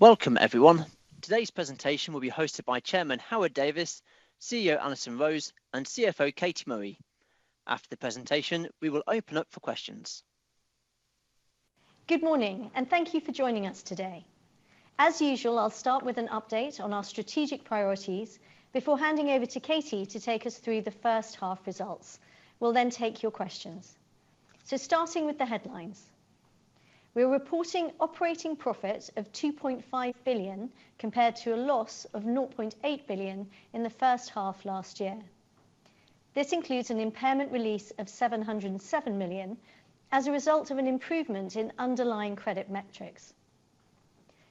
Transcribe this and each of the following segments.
Welcome, everyone. Today's presentation will be hosted by Chairman Howard Davies, CEO Alison Rose, and CFO Katie Murray. After the presentation, we will open up for questions. Good morning, thank you for joining us today. As usual, I'll start with an update on our strategic priorities before handing over to Katie to take us through the first half results. We'll take your questions. Starting with the headlines. We're reporting operating profit of 2.5 billion, compared to a loss of 0.8 billion in the first half last year. This includes an impairment release of 707 million as a result of an improvement in underlying credit metrics.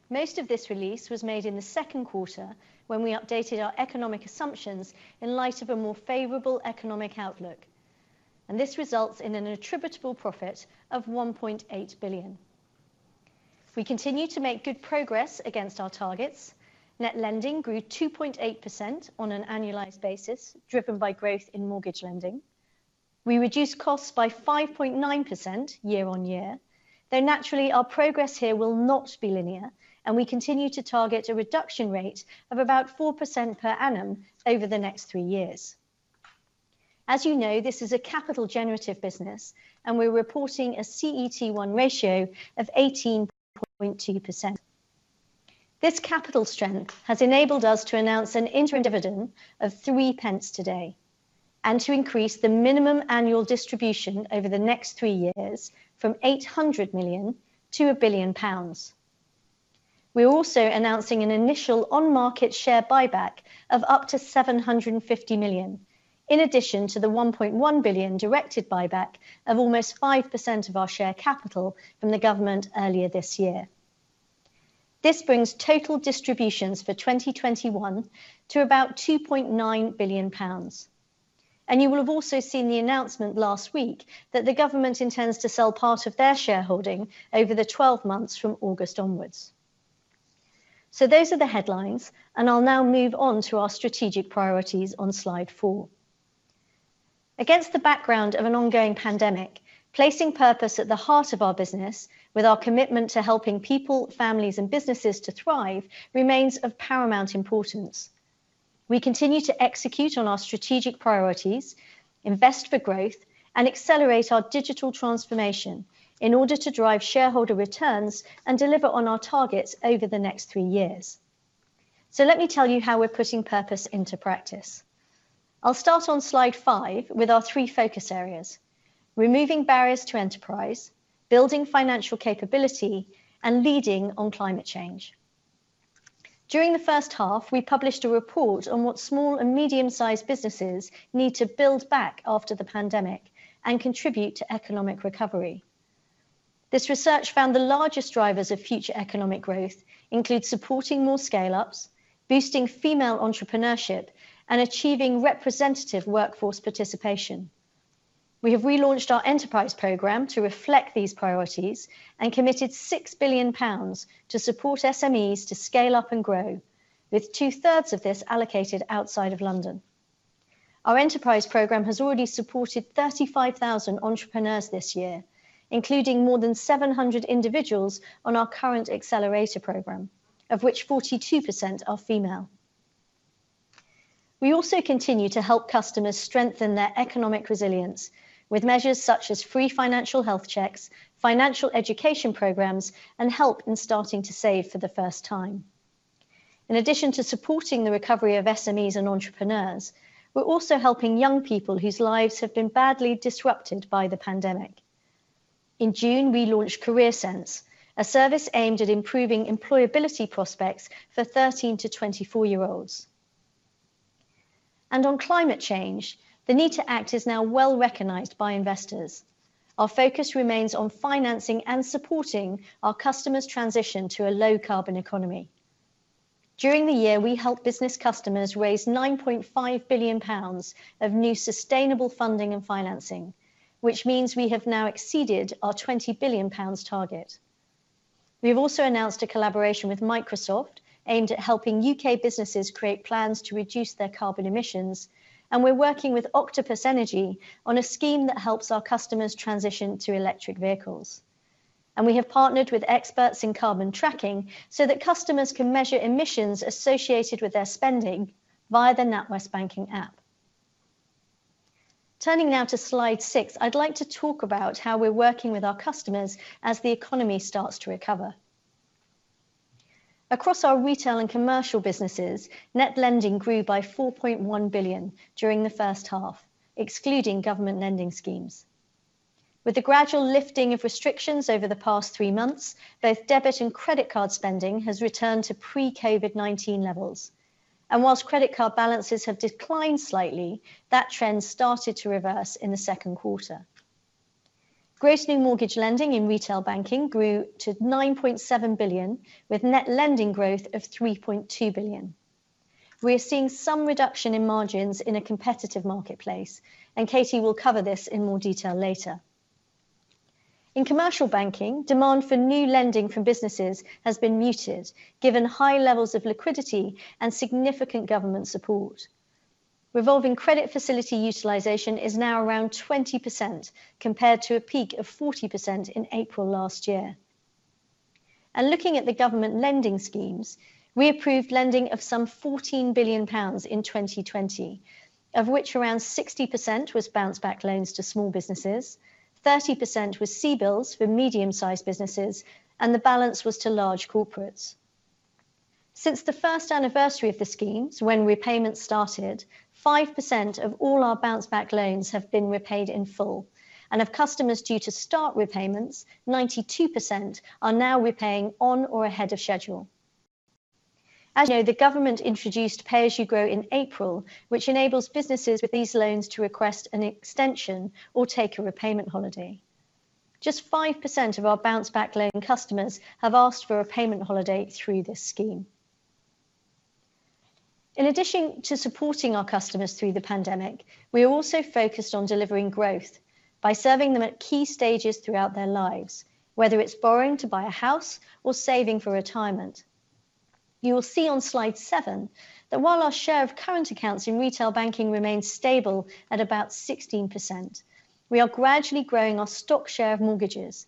Most of this release was made in the second quarter, when we updated our economic assumptions in light of a more favorable economic outlook, and this results in an attributable profit of 1.8 billion. We continue to make good progress against our targets. Net lending grew 2.8% on an annualized basis, driven by growth in mortgage lending. We reduced costs by 5.9% year-on-year, though naturally our progress here will not be linear and we continue to target a reduction rate of about 4% per annum over the next three years. As you know, this is a capital generative business, and we're reporting a CET1 ratio of 18.2%. This capital strength has enabled us to announce an interim dividend of 0.03 today, and to increase the minimum annual distribution over the next three years from 800 million to 1 billion pounds. We're also announcing an initial on-market share buyback of up to 750 million, in addition to the 1.1 billion directed buyback of almost 5% of our share capital from the government earlier this year. This brings total distributions for 2021 to about 2.9 billion pounds. You will have also seen the announcement last week that the government intends to sell part of their shareholding over the 12 months from August onwards. Those are the headlines, and I'll now move on to our strategic priorities on slide four. Against the background of an ongoing pandemic, placing purpose at the heart of our business with our commitment to helping people, families, and businesses to thrive remains of paramount importance. We continue to execute on our strategic priorities, invest for growth, and accelerate our digital transformation in order to drive shareholder returns and deliver on our targets over the next three years. Let me tell you how we're putting purpose into practice. I'll start on slide five with our three focus areas: removing barriers to enterprise, building financial capability, and leading on climate change. During the first half, we published a report on what small and medium-sized businesses need to build back after the pandemic and contribute to economic recovery. This research found the largest drivers of future economic growth include supporting more scale-ups, boosting female entrepreneurship, and achieving representative workforce participation. We have relaunched our Enterprise Program to reflect these priorities and committed 6 billion pounds to support SMEs to scale up and grow, with two-thirds of this allocated outside of London. Our Enterprise Program has already supported 35,000 entrepreneurs this year, including more than 700 individuals on our current Accelerator Program, of which 42% are female. We also continue to help customers strengthen their economic resilience with measures such as free financial health checks, financial education programs, and help in starting to save for the first time. In addition to supporting the recovery of SMEs and entrepreneurs, we're also helping young people whose lives have been badly disrupted by the pandemic. In June, we launched CareerSense, a service aimed at improving employability prospects for 13-24 year-olds. On climate change, the need to act is now well-recognized by investors. Our focus remains on financing and supporting our customers' transition to a low carbon economy. During the year, we helped business customers raise 9.5 billion pounds of new sustainable funding and financing, which means we have now exceeded our 20 billion pounds target. We've also announced a collaboration with Microsoft aimed at helping U.K. businesses create plans to reduce their carbon emissions, and we're working with Octopus Energy on a scheme that helps our customers transition to electric vehicles. We have partnered with experts in carbon tracking so that customers can measure emissions associated with their spending via the NatWest banking app. Turning now to slide six, I'd like to talk about how we're working with our customers as the economy starts to recover. Across our retail and commercial businesses, net lending grew by 4.1 billion during the first half, excluding government lending schemes. With the gradual lifting of restrictions over the past three months, both debit and credit card spending has returned to pre-COVID-19 levels. Whilst credit card balances have declined slightly, that trend started to reverse in the second quarter. Gross new mortgage lending in retail banking grew to 9.7 billion, with net lending growth of 3.2 billion. We are seeing some reduction in margins in a competitive marketplace, and Katie will cover this in more detail later. In commercial banking, demand for new lending from businesses has been muted given high levels of liquidity and significant government support. Revolving credit facility utilization is now around 20%, compared to a peak of 40% in April last year. Looking at the government lending schemes, we approved lending of some 14 billion pounds in 2020, of which around 60% was Bounce Back Loans to small businesses, 30% was CBILS for medium-sized businesses, and the balance was to large corporates. Since the first anniversary of the schemes, when repayments started, 5% of all our Bounce Back Loans have been repaid in full. Of customers due to start repayments, 92% are now repaying on or ahead of schedule. As you know, the government introduced Pay As You Grow in April, which enables businesses with these loans to request an extension or take a repayment holiday. Just 5% of our Bounce Back Loan customers have asked for a payment holiday through this scheme. In addition to supporting our customers through the pandemic, we are also focused on delivering growth by serving them at key stages throughout their lives, whether it's borrowing to buy a house or saving for retirement. You will see on slide seven that while our share of current accounts in retail banking remains stable at about 16%, we are gradually growing our stock share of mortgages.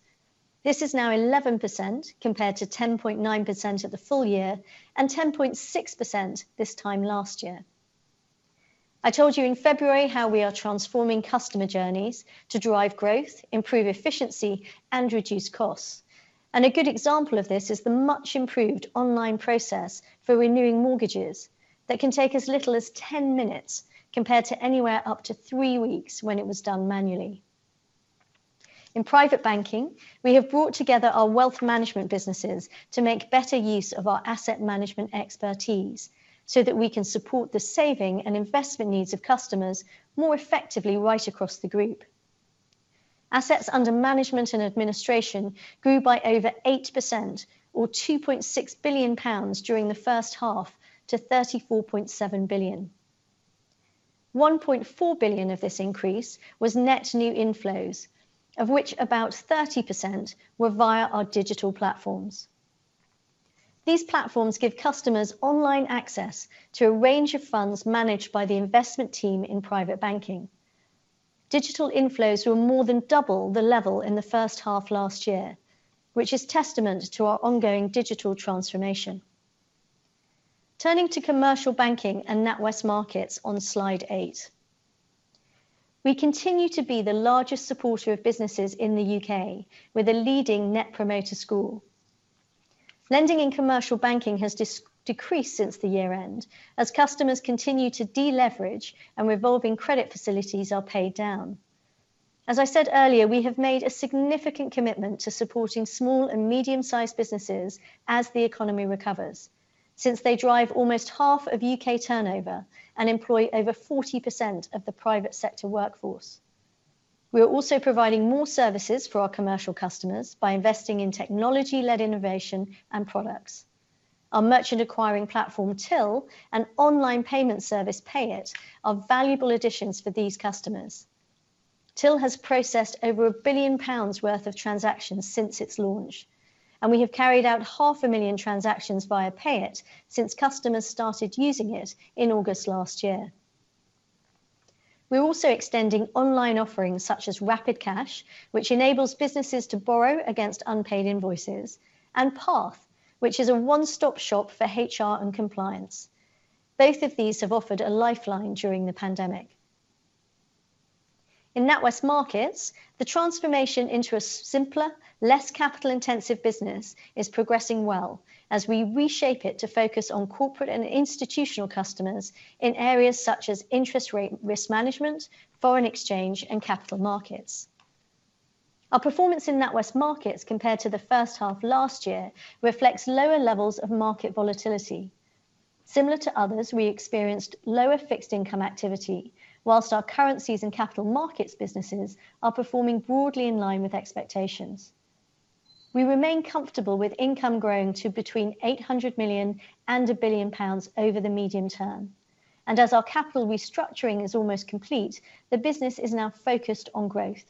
This is now 11%, compared to 10.9% at the full year and 10.6% this time last year. I told you in February how we are transforming customer journeys to drive growth, improve efficiency, and reduce costs. A good example of this is the much-improved online process for renewing mortgages that can take as little as 10 minutes, compared to anywhere up to three weeks when it was done manually. In private banking, we have brought together our wealth management businesses to make better use of our asset management expertise so that we can support the saving and investment needs of customers more effectively right across the group. Assets under management and administration grew by over 8%, or 2.6 billion pounds during the first half to 34.7 billion. 1.4 billion of this increase was net new inflows, of which about 30% were via our digital platforms. These platforms give customers online access to a range of funds managed by the investment team in private banking. Digital inflows were more than double the level in the first half last year, which is testament to our ongoing digital transformation. Turning to commercial banking and NatWest Markets on slide eight. We continue to be the largest supporter of businesses in the U.K. with a leading Net Promoter Score. Lending in commercial banking has decreased since the year-end as customers continue to deleverage and revolving credit facilities are paid down. As I said earlier, we have made a significant commitment to supporting small and medium-sized businesses as the economy recovers since they drive almost half of U.K. turnover and employ over 40% of the private sector workforce. We are also providing more services for our commercial customers by investing in technology-led innovation and products. Our merchant acquiring platform, Tyl, and online payment service, Payit, are valuable additions for these customers. Tyl by NatWest has processed over 1 billion pounds worth of transactions since its launch, and we have carried out 500,000 transactions via Payit since customers started using it in August last year. We're also extending online offerings such as Rapid Cash, which enables businesses to borrow against unpaid invoices, and Path, which is a one-stop shop for HR and compliance. Both of these have offered a lifeline during the pandemic. In NatWest Markets, the transformation into a simpler, less capital-intensive business is progressing well as we reshape it to focus on corporate and institutional customers in areas such as interest rate risk management, foreign exchange, and capital markets. Our performance in NatWest Markets compared to the first half last year reflects lower levels of market volatility. Similar to others, we experienced lower fixed income activity, while our currencies and capital markets businesses are performing broadly in line with expectations. We remain comfortable with income growing to between 800 million and 1 billion pounds over the medium term. As our capital restructuring is almost complete, the business is now focused on growth.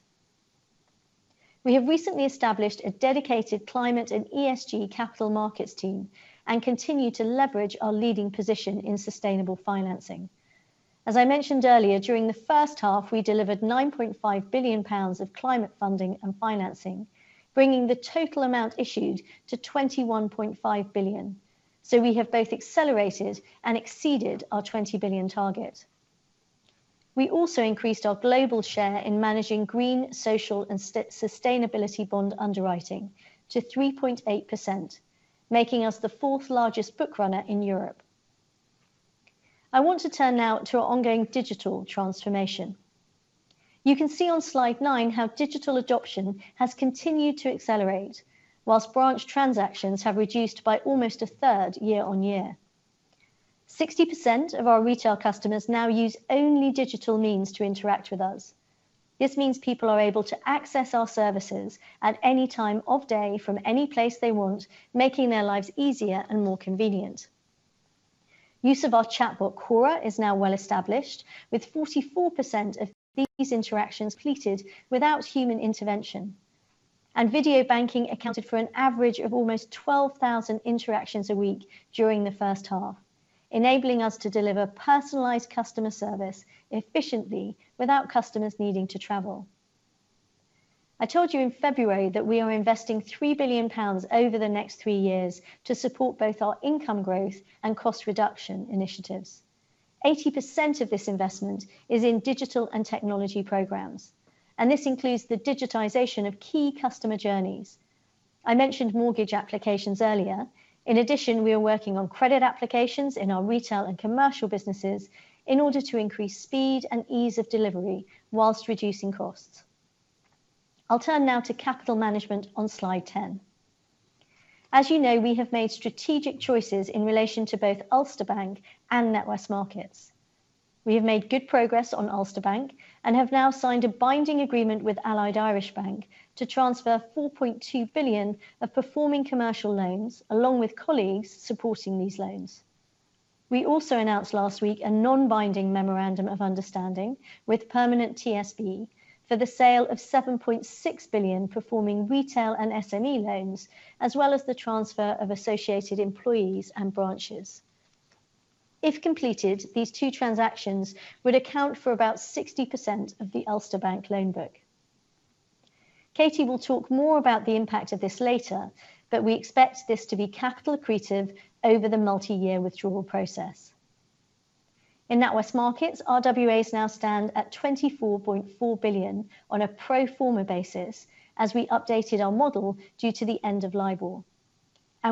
We have recently established a dedicated climate and ESG capital markets team and continue to leverage our leading position in sustainable financing. As I mentioned earlier, during the first half, we delivered 9.5 billion pounds of climate funding and financing, bringing the total amount issued to 21.5 billion. We have both accelerated and exceeded our 20 billion target. We also increased our global share in managing green, social, and sustainability bond underwriting to 3.8%, making us the fourth-largest book runner in Europe. I want to turn now to our ongoing digital transformation. You can see on slide nine how digital adoption has continued to accelerate whilst branch transactions have reduced by almost a third year-on-year. 60% of our retail customers now use only digital means to interact with us. This means people are able to access our services at any time of day from any place they want, making their lives easier and more convenient. Use of our chatbot, Cora, is now well established with 44% of these interactions completed without human intervention. Video banking accounted for an average of almost 12,000 interactions a week during the first half, enabling us to deliver personalized customer service efficiently without customers needing to travel. I told you in February that we are investing 3 billion pounds over the next three years to support both our income growth and cost reduction initiatives. 80% of this investment is in digital and technology programs, and this includes the digitization of key customer journeys. I mentioned mortgage applications earlier. In addition, we are working on credit applications in our retail and commercial businesses in order to increase speed and ease of delivery whilst reducing costs. I'll turn now to capital management on slide 10. As you know, we have made strategic choices in relation to both Ulster Bank and NatWest Markets. We have made good progress on Ulster Bank and have now signed a binding agreement with Allied Irish Banks to transfer 4.2 billion of performing commercial loans, along with colleagues supporting these loans. We also announced last week a non-binding memorandum of understanding with Permanent TSB for the sale of 7.6 billion performing retail and SME loans, as well as the transfer of associated employees and branches. If completed, these two transactions would account for about 60% of the Ulster Bank loan book. Katie will talk more about the impact of this later, but we expect this to be capital accretive over the multi-year withdrawal process. In NatWest Markets, RWAs now stand at 24.4 billion on a pro forma basis, as we updated our model due to the end of LIBOR.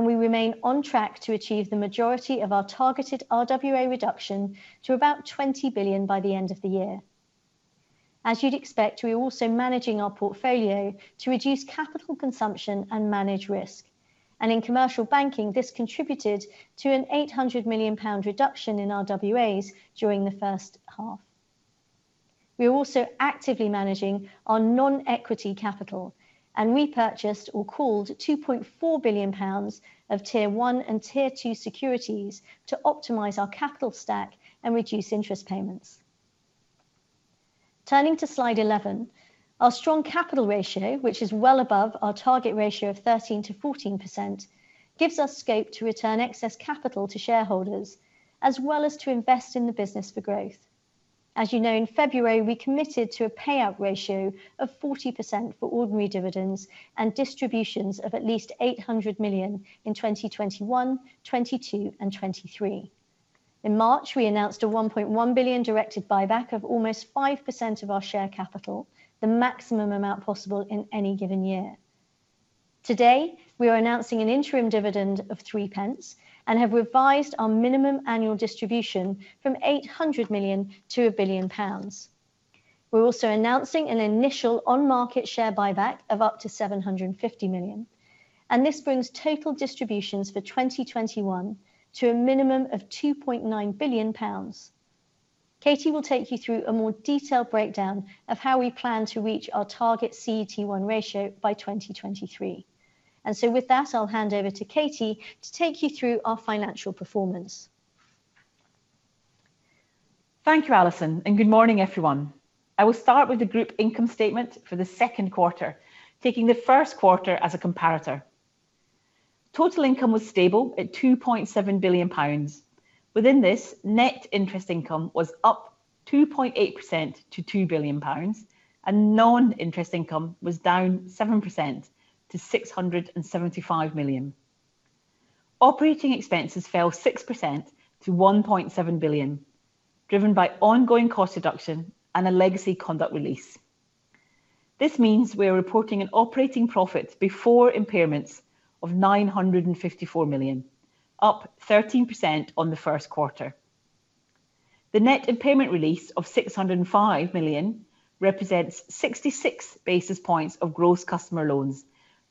We remain on track to achieve the majority of our targeted RWA reduction to about 20 billion by the end of the year. As you'd expect, we are also managing our portfolio to reduce capital consumption and manage risk. In commercial banking, this contributed to a 800 million pound reduction in RWAs during the first half. We are also actively managing our non-equity capital and repurchased or called 2.4 billion pounds of Tier 1 and Tier 2 securities to optimize our capital stack and reduce interest payments. Turning to slide 11. Our strong capital ratio, which is well above our target ratio of 13%-14%, gives us scope to return excess capital to shareholders, as well as to invest in the business for growth. As you know, in February, we committed to a payout ratio of 40% for ordinary dividends and distributions of at least 800 million in 2021, 2022, and 2023. In March, we announced a 1.1 billion directed buyback of almost 5% of our share capital, the maximum amount possible in any given year. Today, we are announcing an interim dividend of 0.03 and have revised our minimum annual distribution from 800 million to 1 billion pounds. We're also announcing an initial on-market share buyback of up to 750 million, and this brings total distributions for 2021 to a minimum of 2.9 billion pounds. Katie will take you through a more detailed breakdown of how we plan to reach our target CET1 ratio by 2023. With that, I'll hand over to Katie to take you through our financial performance. Thank you, Alison, and good morning, everyone. I will start with the group income statement for the second quarter, taking the first quarter as a comparator. Total income was stable at 2.7 billion pounds. Within this, net interest income was up 2.8% to 2 billion pounds, and non-interest income was down 7% to 675 million. Operating expenses fell 6% to 1.7 billion, driven by ongoing cost reduction and a legacy conduct release. This means we are reporting an operating profit before impairments of 954 million, up 13% on the first quarter. The net impairment release of 605 million represents 66 basis points of gross customer loans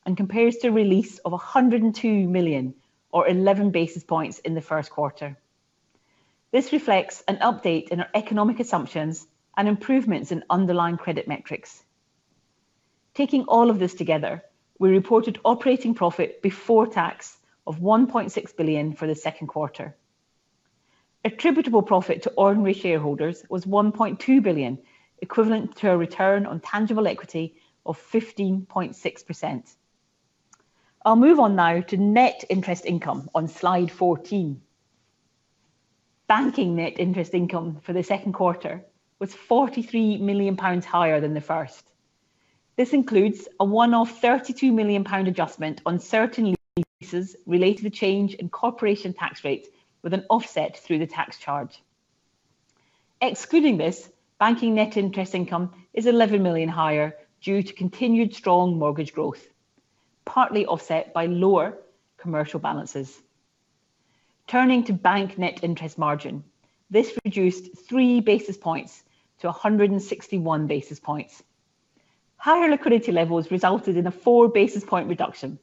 and compares to a release of 102 million or 11 basis points in the first quarter. This reflects an update in our economic assumptions and improvements in underlying credit metrics. Taking all of this together, we reported operating profit before tax of 1.6 billion for the second quarter. Attributable profit to ordinary shareholders was 1.2 billion, equivalent to a return on tangible equity of 15.6%. I'll move on now to net interest income on slide 14. Banking net interest income for the second quarter was 43 million pounds higher than the first. This includes a one-off 32 million pound adjustment on certain leases related to the change in corporation tax rate with an offset through the tax charge. Excluding this, banking net interest income is 11 million higher due to continued strong mortgage growth, partly offset by lower commercial balances. Turning to bank net interest margin. This reduced three basis points to 161 basis points. Higher liquidity levels resulted in a four basis point reduction.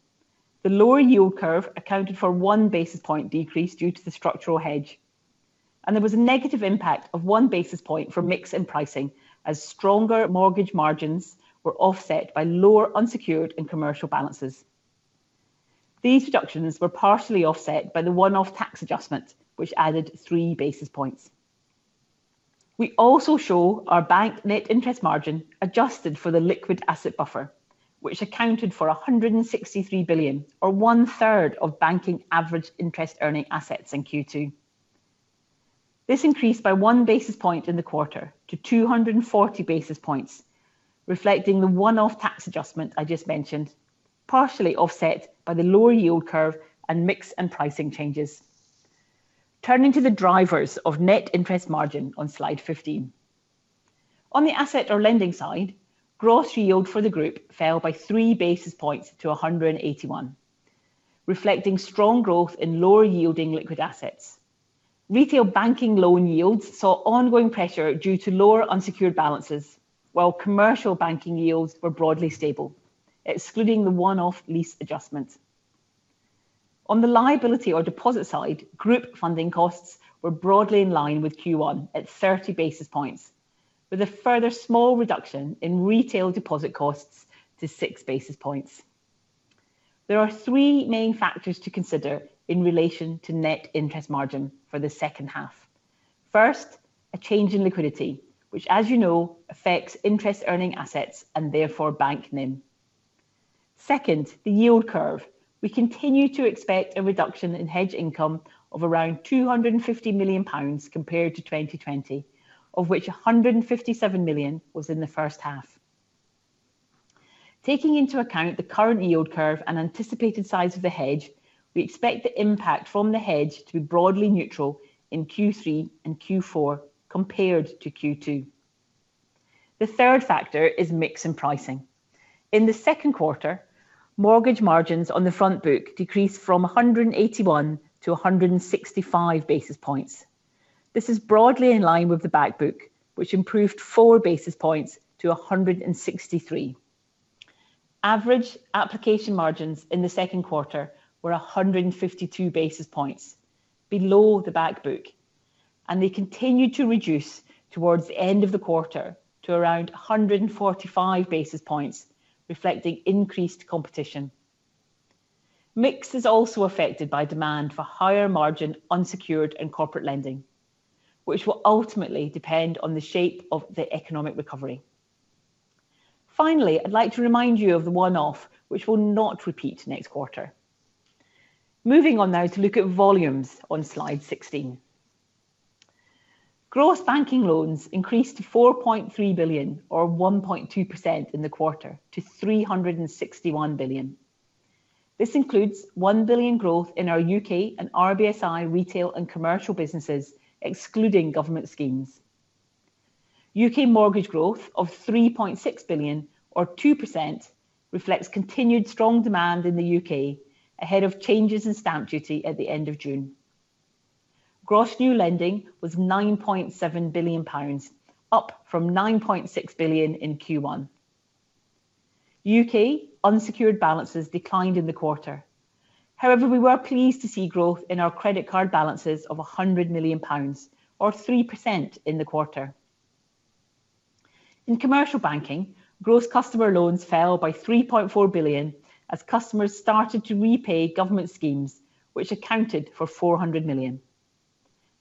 The lower yield curve accounted for one basis point decrease due to the structural hedge. There was a negative impact of one basis point for mix and pricing as stronger mortgage margins were offset by lower unsecured and commercial balances. These reductions were partially offset by the one-off tax adjustment, which added three basis points. We also show our bank net interest margin adjusted for the liquid asset buffer, which accounted for 163 billion or one-third of banking average interest earning assets in Q2. This increased by one basis point in the quarter to 240 basis points, reflecting the one-off tax adjustment I just mentioned, partially offset by the lower yield curve and mix and pricing changes. Turning to the drivers of net interest margin on slide 15. On the asset or lending side, gross yield for the group fell by three basis points to 181, reflecting strong growth in lower yielding liquid assets. Retail banking loan yields saw ongoing pressure due to lower unsecured balances, while commercial banking yields were broadly stable, excluding the one-off lease adjustment. On the liability or deposit side, group funding costs were broadly in line with Q1 at 30 basis points, with a further small reduction in retail deposit costs to six basis points. There are three main factors to consider in relation to net interest margin for the second half. First, a change in liquidity, which as you know affects interest earning assets and therefore bank NIM. Second, the yield curve. We continue to expect a reduction in hedge income of around 250 million pounds compared to 2020, of which 157 million was in the first half. Taking into account the current yield curve and anticipated size of the hedge, we expect the impact from the hedge to be broadly neutral in Q3 and Q4 compared to Q2. The third factor is mix and pricing. In the second quarter, mortgage margins on the front book decreased from 181 to 165 basis points. This is broadly in line with the back book, which improved four basis points to 163. Average application margins in the second quarter were 152 basis points below the back book, and they continued to reduce towards the end of the quarter to around 145 basis points, reflecting increased competition. Mix is also affected by demand for higher margin unsecured and corporate lending, which will ultimately depend on the shape of the economic recovery. Finally, I'd like to remind you of the one-off which will not repeat next quarter. Moving on now to look at volumes on slide 16. Gross banking loans increased to 4.3 billion or 1.2% in the quarter to 361 billion. This includes 1 billion growth in our U.K. and RBSI retail and commercial businesses, excluding government schemes. U.K. mortgage growth of 3.6 billion or 2% reflects continued strong demand in the U.K. ahead of changes in stamp duty at the end of June. Gross new lending was 9.7 billion pounds, up from 9.6 billion in Q1. U.K. unsecured balances declined in the quarter. We were pleased to see growth in our credit card balances of 100 million pounds or 3% in the quarter. In commercial banking, gross customer loans fell by 3.4 billion as customers started to repay government schemes, which accounted for 400 million.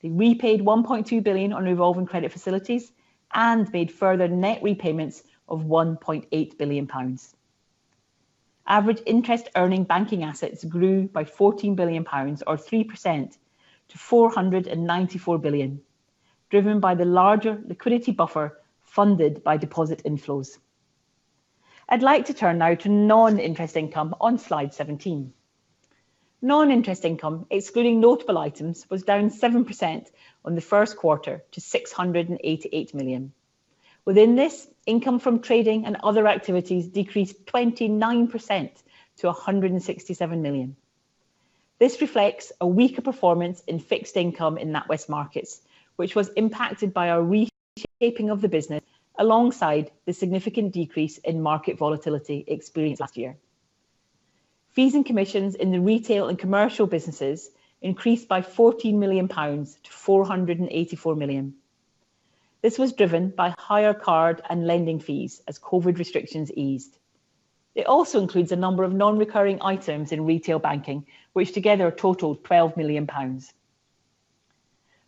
They repaid 1.2 billion on revolving credit facilities and made further net repayments of 1.8 billion pounds. Average interest earning banking assets grew by 14 billion pounds or 3% to 494 billion, driven by the larger liquidity buffer funded by deposit inflows. I'd like to turn now to non-interest income on slide 17. Non-interest income, excluding notable items, was down 7% on the first quarter to 688 million. Within this, income from trading and other activities decreased 29% to 167 million. This reflects a weaker performance in fixed income in NatWest Markets, which was impacted by our reshaping of the business alongside the significant decrease in market volatility experienced last year. Fees and commissions in the retail and commercial businesses increased by 14 million pounds to 484 million. This was driven by higher card and lending fees as COVID restrictions eased. It also includes a number of non-recurring items in retail banking, which together totaled 12 million pounds.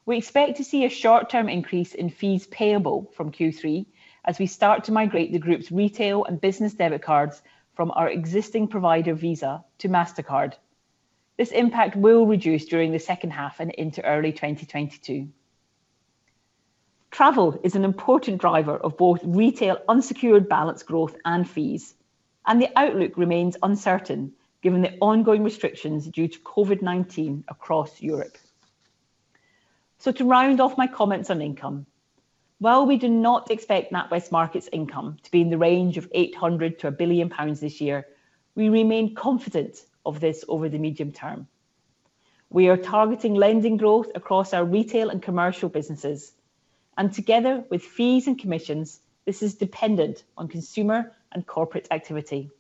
We expect to see a short-term increase in fees payable from Q3 as we start to migrate the group's retail and business debit cards from our existing provider, Visa, to Mastercard. This impact will reduce during the second half and into early 2022. Travel is an important driver of both retail unsecured balance growth and fees, and the outlook remains uncertain given the ongoing restrictions due to COVID-19 across Europe. To round off my comments on income, while we do not expect NatWest Markets income to be in the range of 800 million-1 billion pounds this year, we remain confident of this over the medium term. We are targeting lending growth across our retail and commercial businesses, and together with fees and commissions, this is dependent on consumer and corporate activity.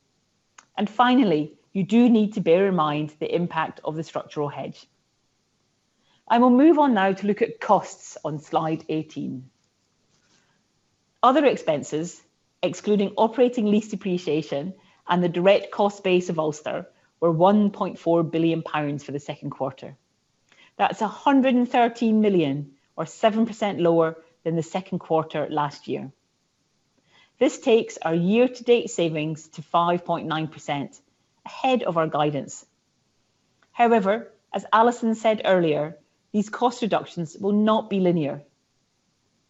Finally, you do need to bear in mind the impact of the structural hedge. I will move on now to look at costs on slide 18. Other expenses, excluding operating lease depreciation and the direct cost base of Ulster, were 1.4 billion pounds for the second quarter. That's 113 million or 7% lower than the second quarter last year. This takes our year-to-date savings to 5.9%, ahead of our guidance. As Alison said earlier, these cost reductions will not be linear.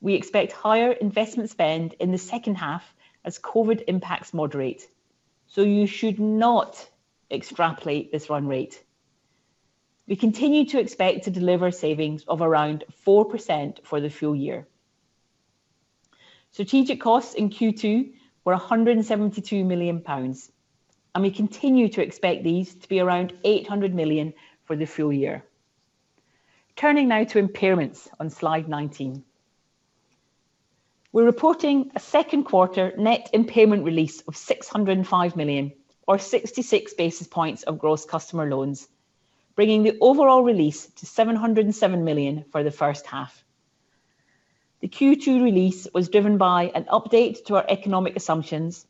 We expect higher investment spend in the second half as COVID impacts moderate. You should not extrapolate this run rate. We continue to expect to deliver savings of around 4% for the full year. Strategic costs in Q2 were 172 million pounds, and we continue to expect these to be around 800 million for the full year. Turning now to impairments on slide 19. We are reporting a second quarter net impairment release of 605 million or 66 basis points of gross customer loans, bringing the overall release to 707 million for the first half. The Q2 release was driven by an update to our economic assumptions,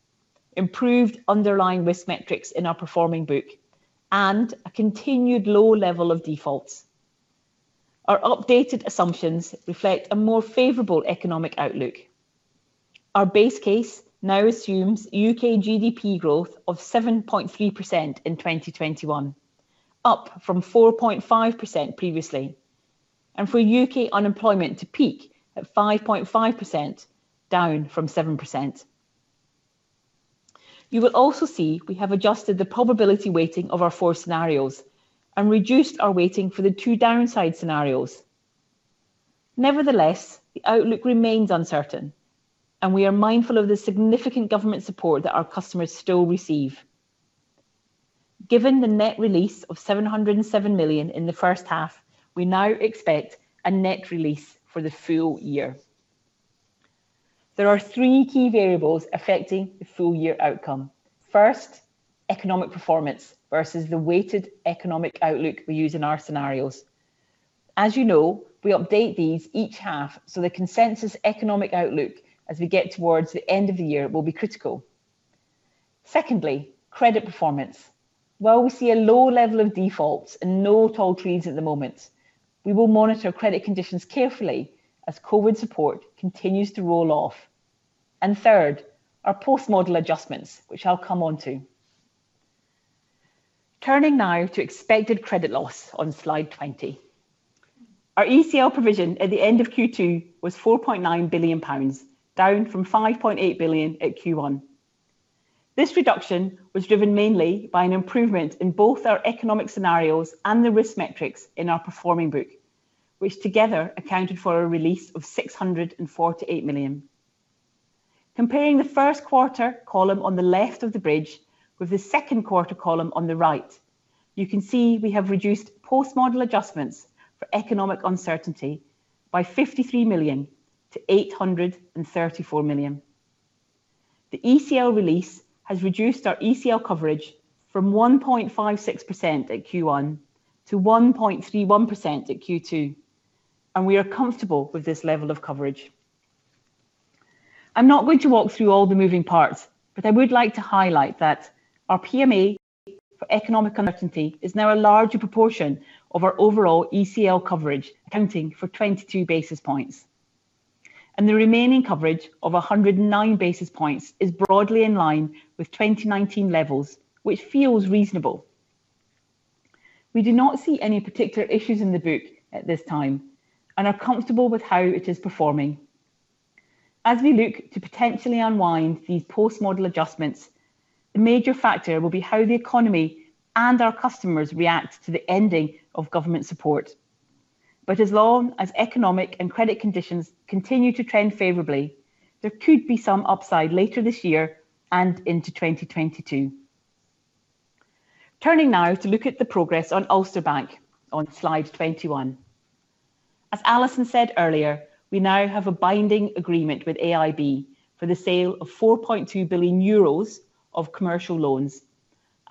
improved underlying risk metrics in our performing book, and a continued low level of defaults. Our updated assumptions reflect a more favorable economic outlook. Our base case now assumes U.K. GDP growth of 7.3% in 2021, up from 4.5% previously. For U.K. unemployment to peak at 5.5%, down from 7%. You will also see we have adjusted the probability weighting of our four scenarios and reduced our weighting for the two downside scenarios. Nevertheless, the outlook remains uncertain, and we are mindful of the significant government support that our customers still receive. Given the net release of 707 million in the first half, we now expect a net release for the full year. There are three key variables affecting the full-year outcome. First, economic performance versus the weighted economic outlook we use in our scenarios. As you know, we update these each half so the consensus economic outlook as we get towards the end of the year will be critical. Secondly, credit performance. While we see a low level of defaults and no tendencies at the moment, we will monitor credit conditions carefully as COVID support continues to roll off. Third, our post-model adjustments, which I'll come on to. Turning now to expected credit loss on slide 20. Our ECL provision at the end of Q2 was 4.9 billion pounds, down from 5.8 billion at Q1. This reduction was driven mainly by an improvement in both our economic scenarios and the risk metrics in our performing book, which together accounted for a release of 648 million. Comparing the first quarter column on the left of the bridge with the second quarter column on the right, you can see we have reduced post-model adjustments for economic uncertainty by 53 million to 834 million. The ECL release has reduced our ECL coverage from 1.56% at Q1 to 1.31% at Q2, and we are comfortable with this level of coverage. I'm not going to walk through all the moving parts, but I would like to highlight that our PMA for economic uncertainty is now a larger proportion of our overall ECL coverage, accounting for 22 basis points. The remaining coverage of 109 basis points is broadly in line with 2019 levels, which feels reasonable. We do not see any particular issues in the book at this time and are comfortable with how it is performing. As we look to potentially unwind these post-model adjustments, the major factor will be how the economy and our customers react to the ending of government support. As long as economic and credit conditions continue to trend favorably, there could be some upside later this year and into 2022. Turning now to look at the progress on Ulster Bank on slide 21. As Alison said earlier, we now have a binding agreement with AIB for the sale of 4.2 billion euros of commercial loans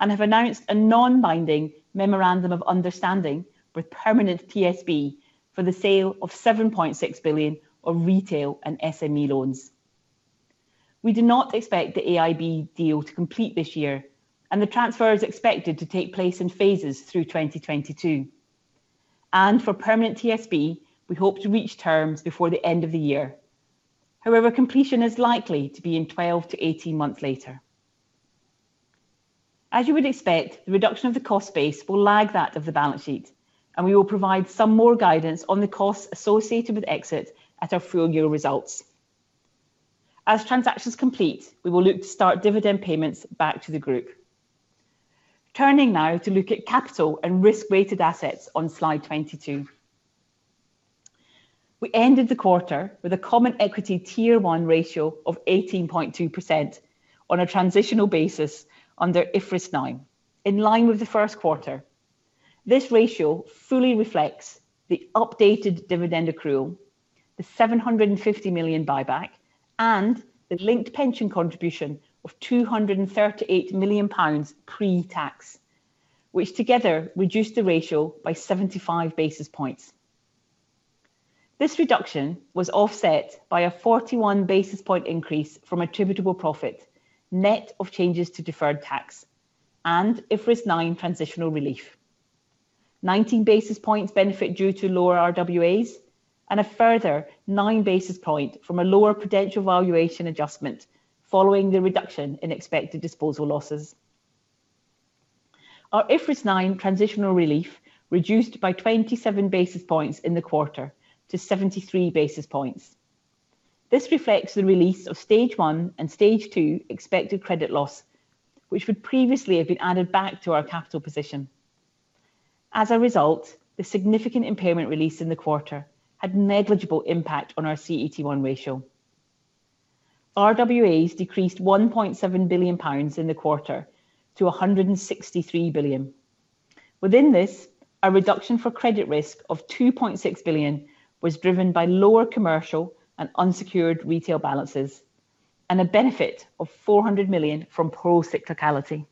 and have announced a non-binding Memorandum of Understanding with Permanent TSB for the sale of 7.6 billion of retail and SME loans. We do not expect the AIB deal to complete this year, and the transfer is expected to take place in phases through 2022. For Permanent TSB, we hope to reach terms before the end of the year. However, completion is likely to be in 12-18 months later. As you would expect, the reduction of the cost base will lag that of the balance sheet, and we will provide some more guidance on the costs associated with exit at our full year results. As transactions complete, we will look to start dividend payments back to the group. Turning now to look at capital and Risk-Weighted Assets on slide 22. We ended the quarter with a common equity Tier 1 ratio of 18.2% on a transitional basis under IFRS 9, in line with the first quarter. This ratio fully reflects the updated dividend accrual, the 750 million buyback, and the linked pension contribution of 238 million pounds pre-tax. Which together reduced the ratio by 75 basis points. This reduction was offset by a 41 basis point increase from attributable profit, net of changes to deferred tax and IFRS 9 transitional relief. 19 basis points benefit due to lower RWAs and a further nine basis point from a lower potential valuation adjustment following the reduction in expected disposal losses. Our IFRS 9 transitional relief reduced by 27 basis points in the quarter to 73 basis points. This reflects the release of stage one and stage two expected credit loss, which would previously have been added back to our capital position. As a result, the significant impairment release in the quarter had negligible impact on our CET1 ratio. RWAs decreased 1.7 billion pounds in the quarter to 163 billion. Within this, a reduction for credit risk of 2.6 billion was driven by lower commercial and unsecured retail balances, and a benefit of 400 million from pro-cyclicality.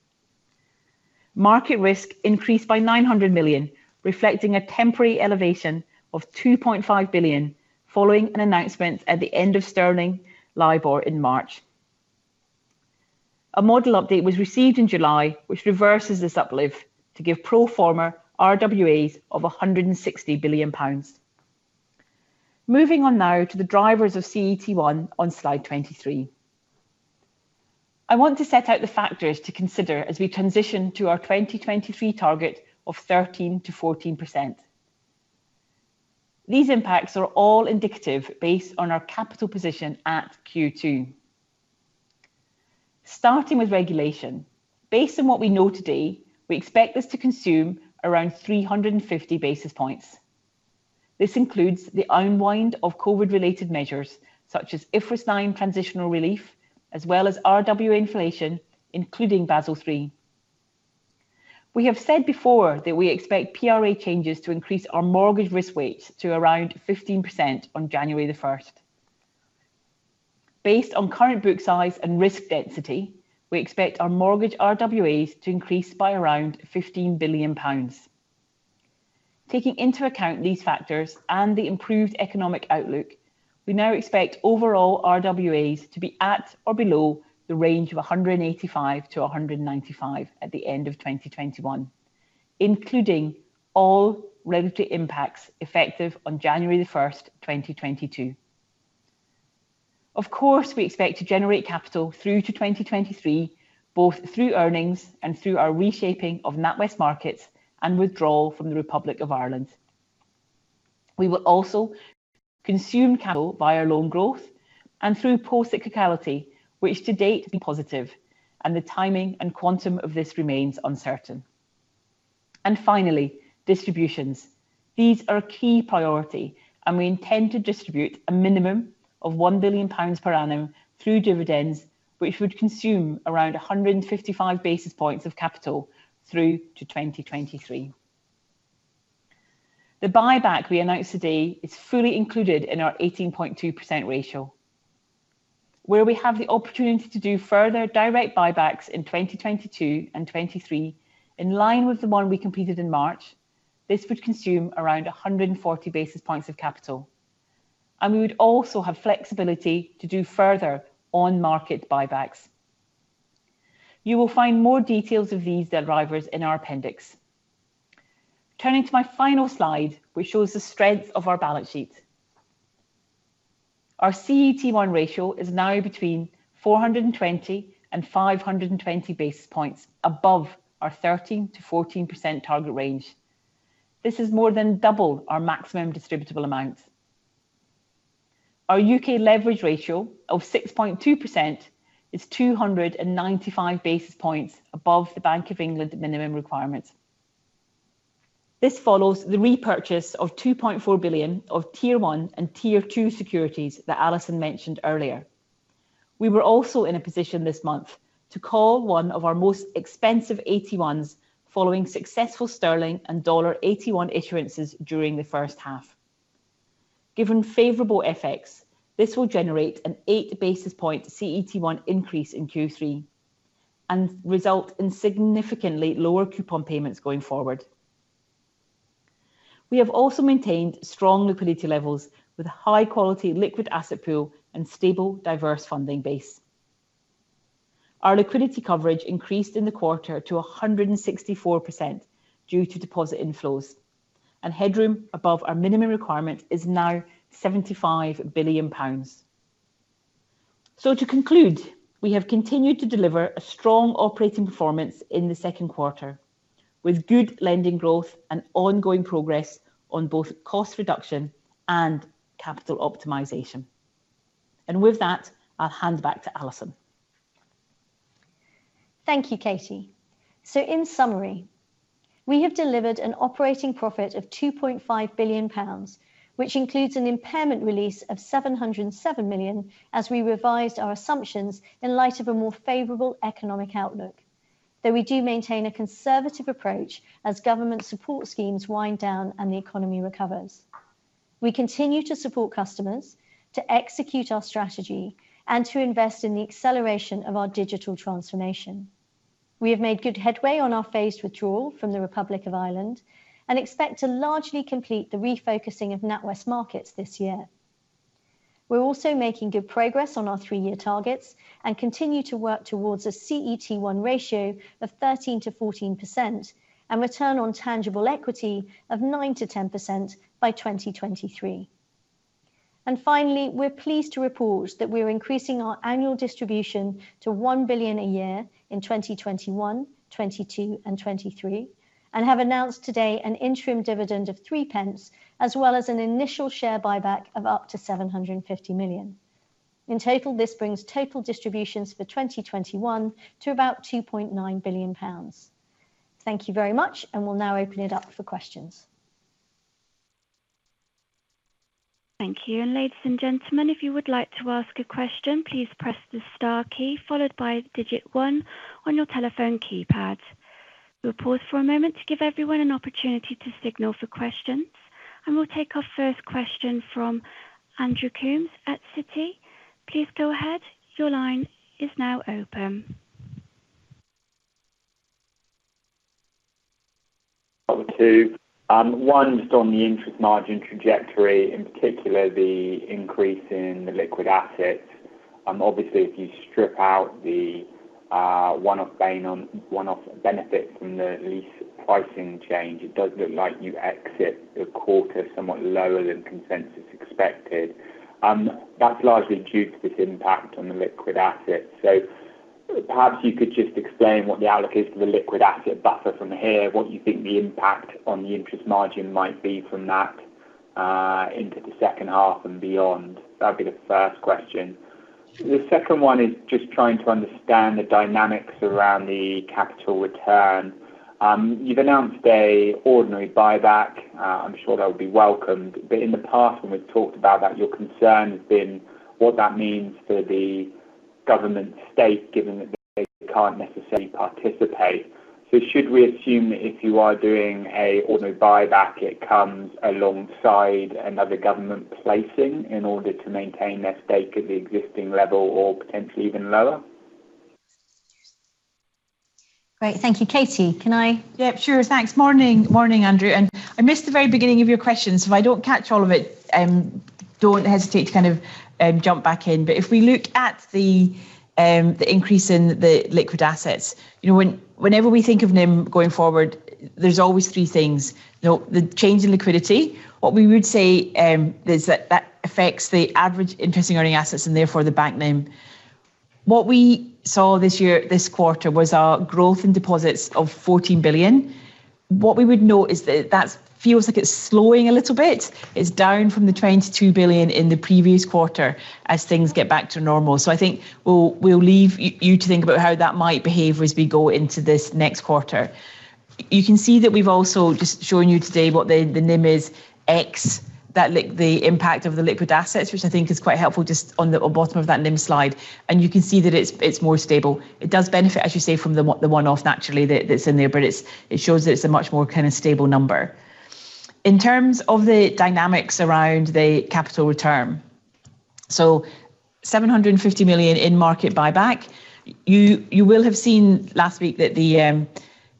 Market risk increased by 900 million, reflecting a temporary elevation of 2.5 billion following an announcement at the end of sterling LIBOR in March. A model update was received in July, which reverses the uplift to give pro forma RWAs of 160 billion pounds. Moving on now to the drivers of CET1 on slide 23. I want to set out the factors to consider as we transition to our 2023 target of 13%-14%. These impacts are all indicative based on our capital position at Q2. Starting with regulation, based on what we know today, we expect this to consume around 350 basis points. This includes the unwind of COVID-related measures such as IFRS 9 transitional relief, as well as RWA inflation, including Basel III. We have said before that we expect PRA changes to increase our mortgage risk weights to around 15% on January the 1st. Based on current book size and risk density, we expect our mortgage RWAs to increase by around 15 billion pounds. Taking into account these factors and the improved economic outlook, we now expect overall RWAs to be at or below the range of 185-195 at the end of 2021, including all regulatory impacts effective on January 1st, 2022. Of course, we expect to generate capital through to 2023, both through earnings and through our reshaping of NatWest Markets and withdrawal from the Republic of Ireland. We will also consume capital via loan growth and through pro- cyclicality, which to date has been positive and the timing and quantum of this remains uncertain. Finally, distributions. These are a key priority, and we intend to distribute a minimum of 1 billion pounds per annum through dividends, which would consume around 155 basis points of capital through to 2023. The buyback we announced today is fully included in our 18.2% ratio. Where we have the opportunity to do further direct buybacks in 2022 and 2023 in line with the one we completed in March, this would consume around 140 basis points of capital, and we would also have flexibility to do further on-market buybacks. You will find more details of these drivers in our appendix. Turning to my final slide, which shows the strength of our balance sheet. Our CET1 ratio is now between 420 and 520 basis points above our 13%-14% target range. This is more than double our maximum distributable amount. Our U.K. leverage ratio of 6.2% is 295 basis points above the Bank of England minimum requirement. This follows the repurchase of 2.4 billion of Tier 1 and Tier 2 securities that Alison mentioned earlier. We were also in a position this month to call one of our most expensive AT1s following successful sterling and dollar AT1 issuances during the first half. Given favorable FX, this will generate an eight basis point CET1 increase in Q3 and result in significantly lower coupon payments going forward. We have also maintained strong liquidity levels with high-quality liquid asset pool and stable, diverse funding base. Our liquidity coverage increased in the quarter to 164% due to deposit inflows, and headroom above our minimum requirement is now 75 billion pounds. To conclude, we have continued to deliver a strong operating performance in the second quarter, with good lending growth and ongoing progress on both cost reduction and capital optimization. With that, I'll hand back to Alison. Thank you, Katie. In summary, we have delivered an operating profit of 2.5 billion pounds, which includes an impairment release of 707 million as we revised our assumptions in light of a more favorable economic outlook. We do maintain a conservative approach as government support schemes wind down and the economy recovers. We continue to support customers to execute our strategy and to invest in the acceleration of our digital transformation. We have made good headway on our phased withdrawal from the Republic of Ireland and expect to largely complete the refocusing of NatWest Markets this year. We're also making good progress on our three-year targets and continue to work towards a CET1 ratio of 13%-14% and return on tangible equity of 9%-10% by 2023. Finally, we're pleased to report that we're increasing our annual distribution to 1 billion a year in 2021, 2022, and 2023, and have announced today an interim dividend of 0.03, as well as an initial share buyback of up to 750 million. In total, this brings total distributions for 2021 to about 2.9 billion pounds. Thank you very much, and we'll now open it up for questions. Thank you. Ladies and gentlemen, if you would like to ask a question, please press the star key followed by digit one on your telephone keypad. We'll pause for a moment to give everyone an opportunity to signal for questions. We'll take our first question from Andrew Coombs at Citi. Please go ahead. Your line is now open. Just on the interest margin trajectory, in particular, the increase in the liquid assets. Obviously, if you strip out the one-off benefit from the lease pricing change, it does look like you exit the quarter somewhat lower than consensus expected. That's largely due to this impact on the liquid assets. Perhaps you could just explain what the outlook is for the liquid asset buffer from here, what you think the impact on the interest margin might be from that into the second half and beyond. That'd be the first question. The second one is just trying to understand the dynamics around the capital return. You've announced an ordinary buyback. I'm sure that'll be welcomed. In the past, when we've talked about that, your concern has been what that means for the government stake, given that they can't necessarily participate. Should we assume that if you are doing an ordinary buyback, it comes alongside another government placing in order to maintain their stake at the existing level or potentially even lower? Great. Thank you. Katie, can I- Yep, sure. Thanks. Morning, Andrew. I missed the very beginning of your question, so if I don't catch all of it, don't hesitate to jump back in. If we look at the increase in the liquid assets, whenever we think of NIM going forward, there's always three things. The change in liquidity. What we would say is that affects the average interest in earning assets and therefore the bank NIM. What we saw this quarter was our growth in deposits of 14 billion. What we would note is that that feels like it's slowing a little bit. It's down from the 22 billion in the previous quarter as things get back to normal. I think we'll leave you to think about how that might behave as we go into this next quarter. You can see that we've also just shown you today what the NIM is, X, the impact of the liquid assets, which I think is quite helpful just on the bottom of that NIM slide. You can see that it's more stable. It does benefit, as you say, from the one-off naturally that's in there. It shows that it's a much more stable number. In terms of the dynamics around the capital return. 750 million in-market buyback. You will have seen last week that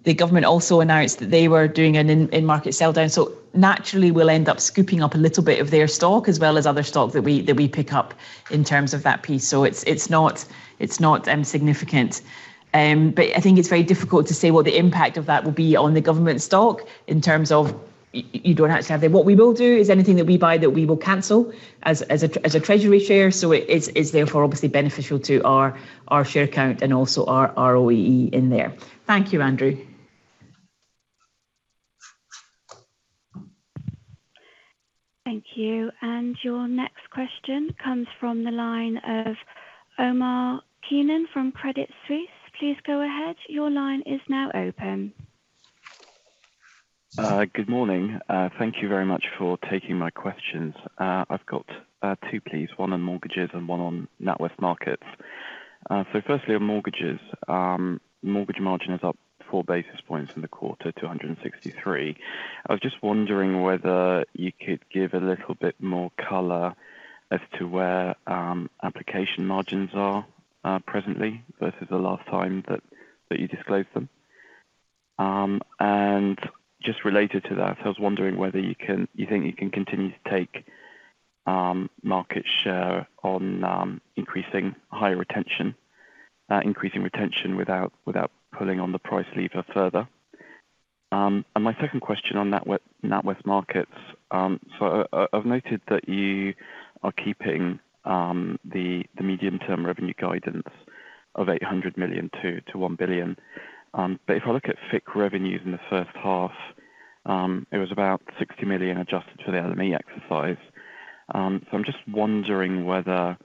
the government also announced that they were doing an in-market sell-down. Naturally, we'll end up scooping up a little bit of their stock as well as other stock that we pick up in terms of that piece. It's not insignificant. I think it's very difficult to say what the impact of that will be on the government stock in terms of what we will do is anything that we buy that we will cancel as a treasury share. It is therefore obviously beneficial to our share count and also our RoTE in there. Thank you, Andrew. Thank you. Your next question comes from the line of Omar Keenan from Credit Suisse. Please go ahead. Good morning. Thank you very much for taking my questions. I've got two, please. One on mortgages and one on NatWest Markets. Firstly on mortgages. Mortgage margin is up four basis points in the quarter to 163 basis points. I was just wondering whether you could give a little bit more color as to where application margins are presently versus the last time that you disclosed them. Just related to that, I was wondering whether you think you can continue to take market share on increasing higher retention, increasing retention without pulling on the price lever further. My second question on NatWest Markets. I've noted that you are keeping the medium-term revenue guidance of 800 million-1 billion. If I look at FIC revenues in the first half, it was about 60 million adjusted to the LME exercise. I'm just wondering whether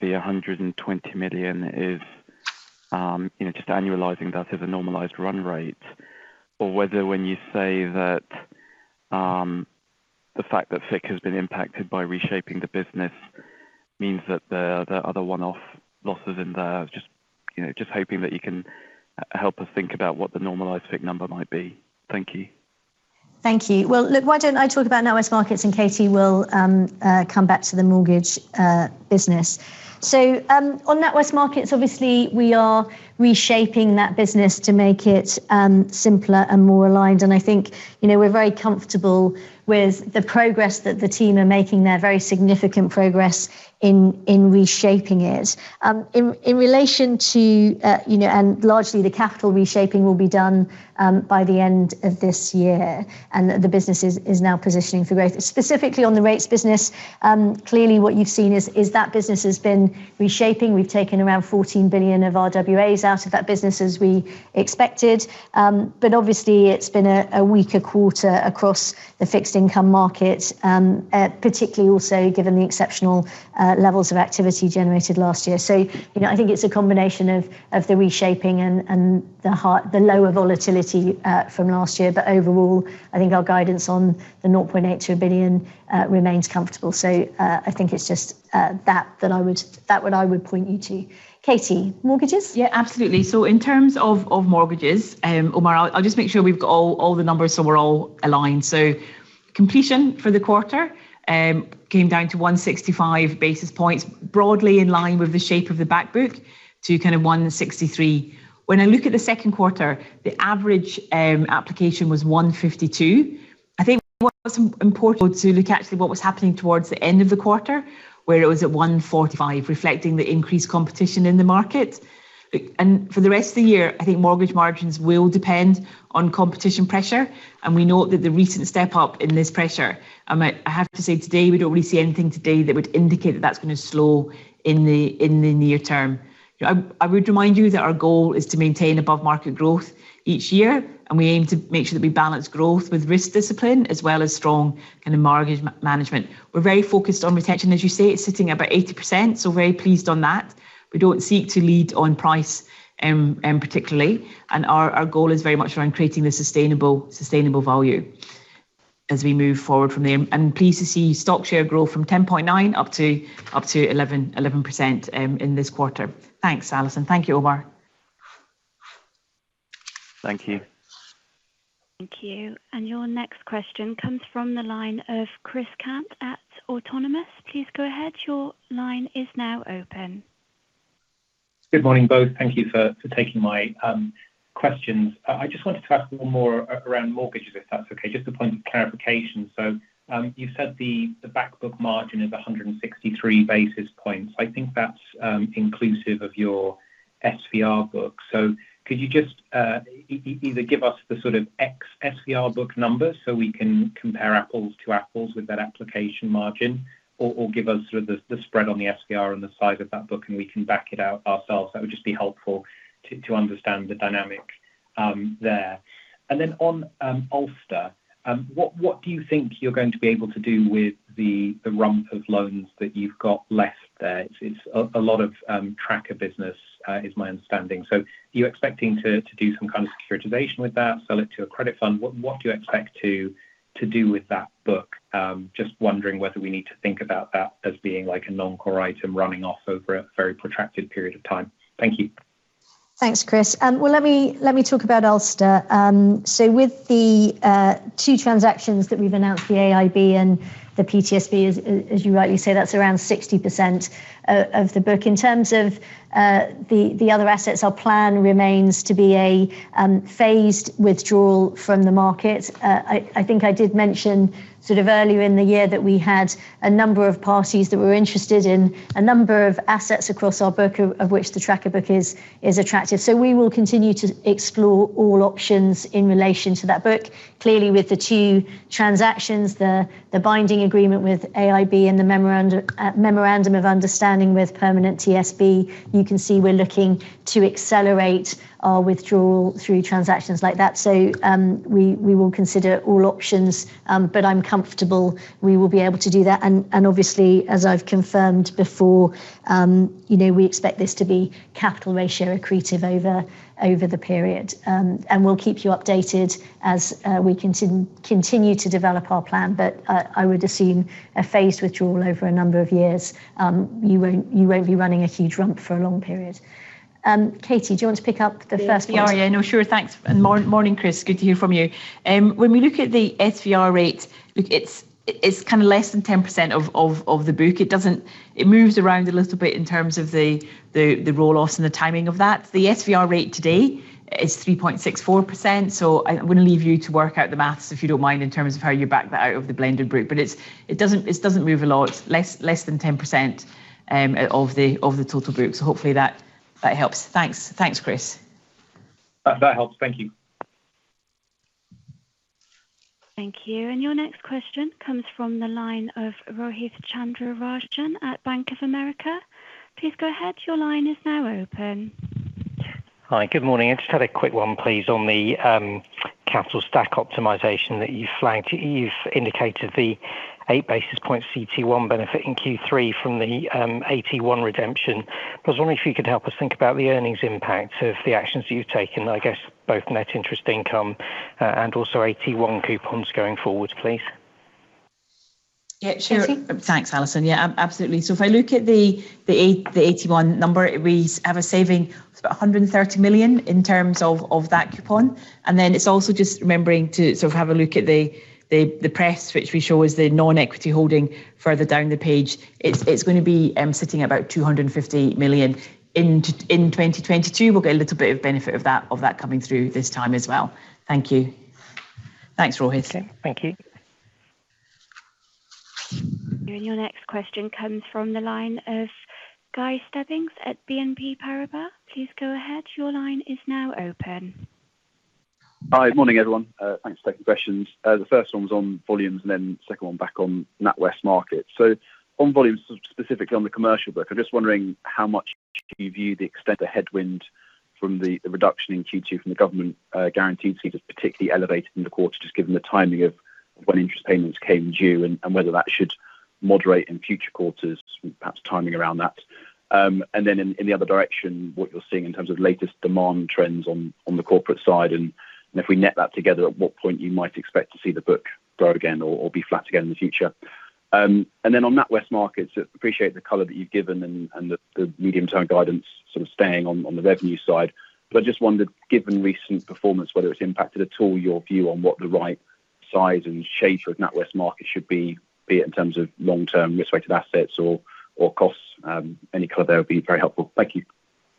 the 120 million is, just annualizing that as a normalized run rate, or whether when you say that the fact that FIC has been impacted by reshaping the business means that there are other one-off losses in there? Just hoping that you can help us think about what the normalized FIC number might be. Thank you. Thank you. Well, look, why don't I talk about NatWest Markets and Katie will come back to the mortgage business. On NatWest Markets, obviously, we are reshaping that business to make it simpler and more aligned. I think we're very comfortable with the progress that the team are making there, very significant progress in reshaping it. Largely, the capital reshaping will be done by the end of this year, and that the business is now positioning for growth. Specifically on the rates business, clearly what you've seen is that business has been reshaping. We've taken around 14 billion of RWAs out of that business as we expected. Obviously, it's been a weaker quarter across the fixed income market, particularly also given the exceptional levels of activity generated last year. I think it's a combination of the reshaping and the lower volatility from last year. Overall, I think our guidance on the 0.82 billion remains comfortable. I think it's just that what I would point you to. Katie, mortgages? Absolutely. In terms of mortgages, Omar, I'll just make sure we've got all the numbers so we're all aligned. Completion for the quarter came down to 165 basis points, broadly in line with the shape of the back book to 163. When I look at the second quarter, the average application was 152. I think what was important to look at to what was happening towards the end of the quarter, where it was at 145, reflecting the increased competition in the market. For the rest of the year, I think mortgage margins will depend on competition pressure. We note that the recent step-up in this pressure, I have to say today, we don't really see anything today that would indicate that that's going to slow in the near term. I would remind you that our goal is to maintain above-market growth each year, and we aim to make sure that we balance growth with risk discipline, as well as strong mortgage management. We're very focused on retention. As you say, it's sitting at about 80%, so very pleased on that. We don't seek to lead on price particularly, and our goal is very much around creating the sustainable value as we move forward from there. I'm pleased to see stock share grow from 10.9% up to 11% in this quarter. Thanks, Alison. Thank you, Omar. Thank you. Thank you. Your next question comes from the line of Chris Cant at Autonomous. Please go ahead. Good morning, both. Thank you for taking my questions. I just wanted to ask a little more around mortgages, if that's okay. Just a point of clarification. You said the back book margin is 163 basis points. I think that's inclusive of your SVR book. Could you just either give us the sort of ex SVR book number so we can compare apples to apples with that application margin or give us the spread on the SVR and the size of that book, and we can back it out ourselves? That would just be helpful to understand the dynamic there. Then on Ulster, what do you think you're going to be able to do with the rump of loans that you've got left there? It's a lot of tracker business, is my understanding. Are you expecting to do some kind of securitization with that, sell it to a credit fund? What do you expect to do with that book? Just wondering whether we need to think about that as being like a non-core item running off over a very protracted period of time. Thank you. Thanks, Chris. Well, let me talk about Ulster. With the two transactions that we've announced, the AIB and the PTSB, as you rightly say, that's around 60% of the book. In terms of the other assets, our plan remains to be a phased withdrawal from the market. I think I did mention sort of earlier in the year that we had a number of parties that were interested in a number of assets across our book, of which the tracker book is attractive. We will continue to explore all options in relation to that book. Clearly, with the two transactions, the binding agreement with AIB and the memorandum of understanding with Permanent TSB, you can see we're looking to accelerate our withdrawal through transactions like that. We will consider all options, but I'm comfortable we will be able to do that. Obviously, as I've confirmed before, we expect this to be capital ratio accretive over the period. We'll keep you updated as we continue to develop our plan. I would assume a phased withdrawal over a number of years. You won't be running a huge rump for a long period. Katie, do you want to pick up the first part? Yeah. No, sure. Thanks. Morning, Chris. Good to hear from you. When we look at the SVR rate, it's kind of less than 10% of the book. It moves around a little bit in terms of the roll-offs and the timing of that. The SVR rate today is 3.64%. I'm going to leave you to work out the math, if you don't mind, in terms of how you back that out of the blended group. It doesn't move a lot. It's less than 10% of the total group. Hopefully that helps. Thanks, Chris. That helps. Thank you. Thank you. Your next question comes from the line of Rohith Chandra-Rajan at Bank of America. Please go ahead. Your line is now open. Hi. Good morning. I just had a quick one, please, on the capital stack optimization that you flagged. You've indicated the eight basis point CET1 benefit in Q3 from the AT1 redemption. I was wondering if you could help us think about the earnings impact of the actions that you've taken, I guess both Net Interest Income and also AT1 coupons going forward, please. Yeah, sure. Katie? Thanks, Alison. Absolutely. If I look at the AT1 number, we have a saving of about 130 million in terms of that coupon. Then it's also just remembering to sort of have a look at the PMA, which we show as the non-equity holding further down the page. It's going to be sitting at about 250 million in 2022. We'll get a little bit of benefit of that coming through this time as well. Thank you. Thanks, Rohith. Okay, thank you. Your next question comes from the line of Guy Stebbings at BNP Paribas. Please go ahead. Hi. Morning, everyone. Thanks for taking questions. The first one was on volumes, the second one back on NatWest Markets. On volumes, specifically on the commercial book, I'm just wondering how much do you view the extent of headwind from the reduction in Q2 from the government guaranteed scheme as particularly elevated in the quarter, just given the timing of when interest payments came due, and whether that should moderate in future quarters, perhaps timing around that. In the other direction, what you're seeing in terms of latest demand trends on the corporate side, if we net that together, at what point you might expect to see the book grow again or be flat again in the future. On NatWest Markets, appreciate the color that you've given the medium-term guidance sort of staying on the revenue side. I just wondered, given recent performance, whether it's impacted at all your view on what the right size and shape of NatWest Markets should be it in terms of long-term risk-weighted assets or costs. Any color there would be very helpful. Thank you.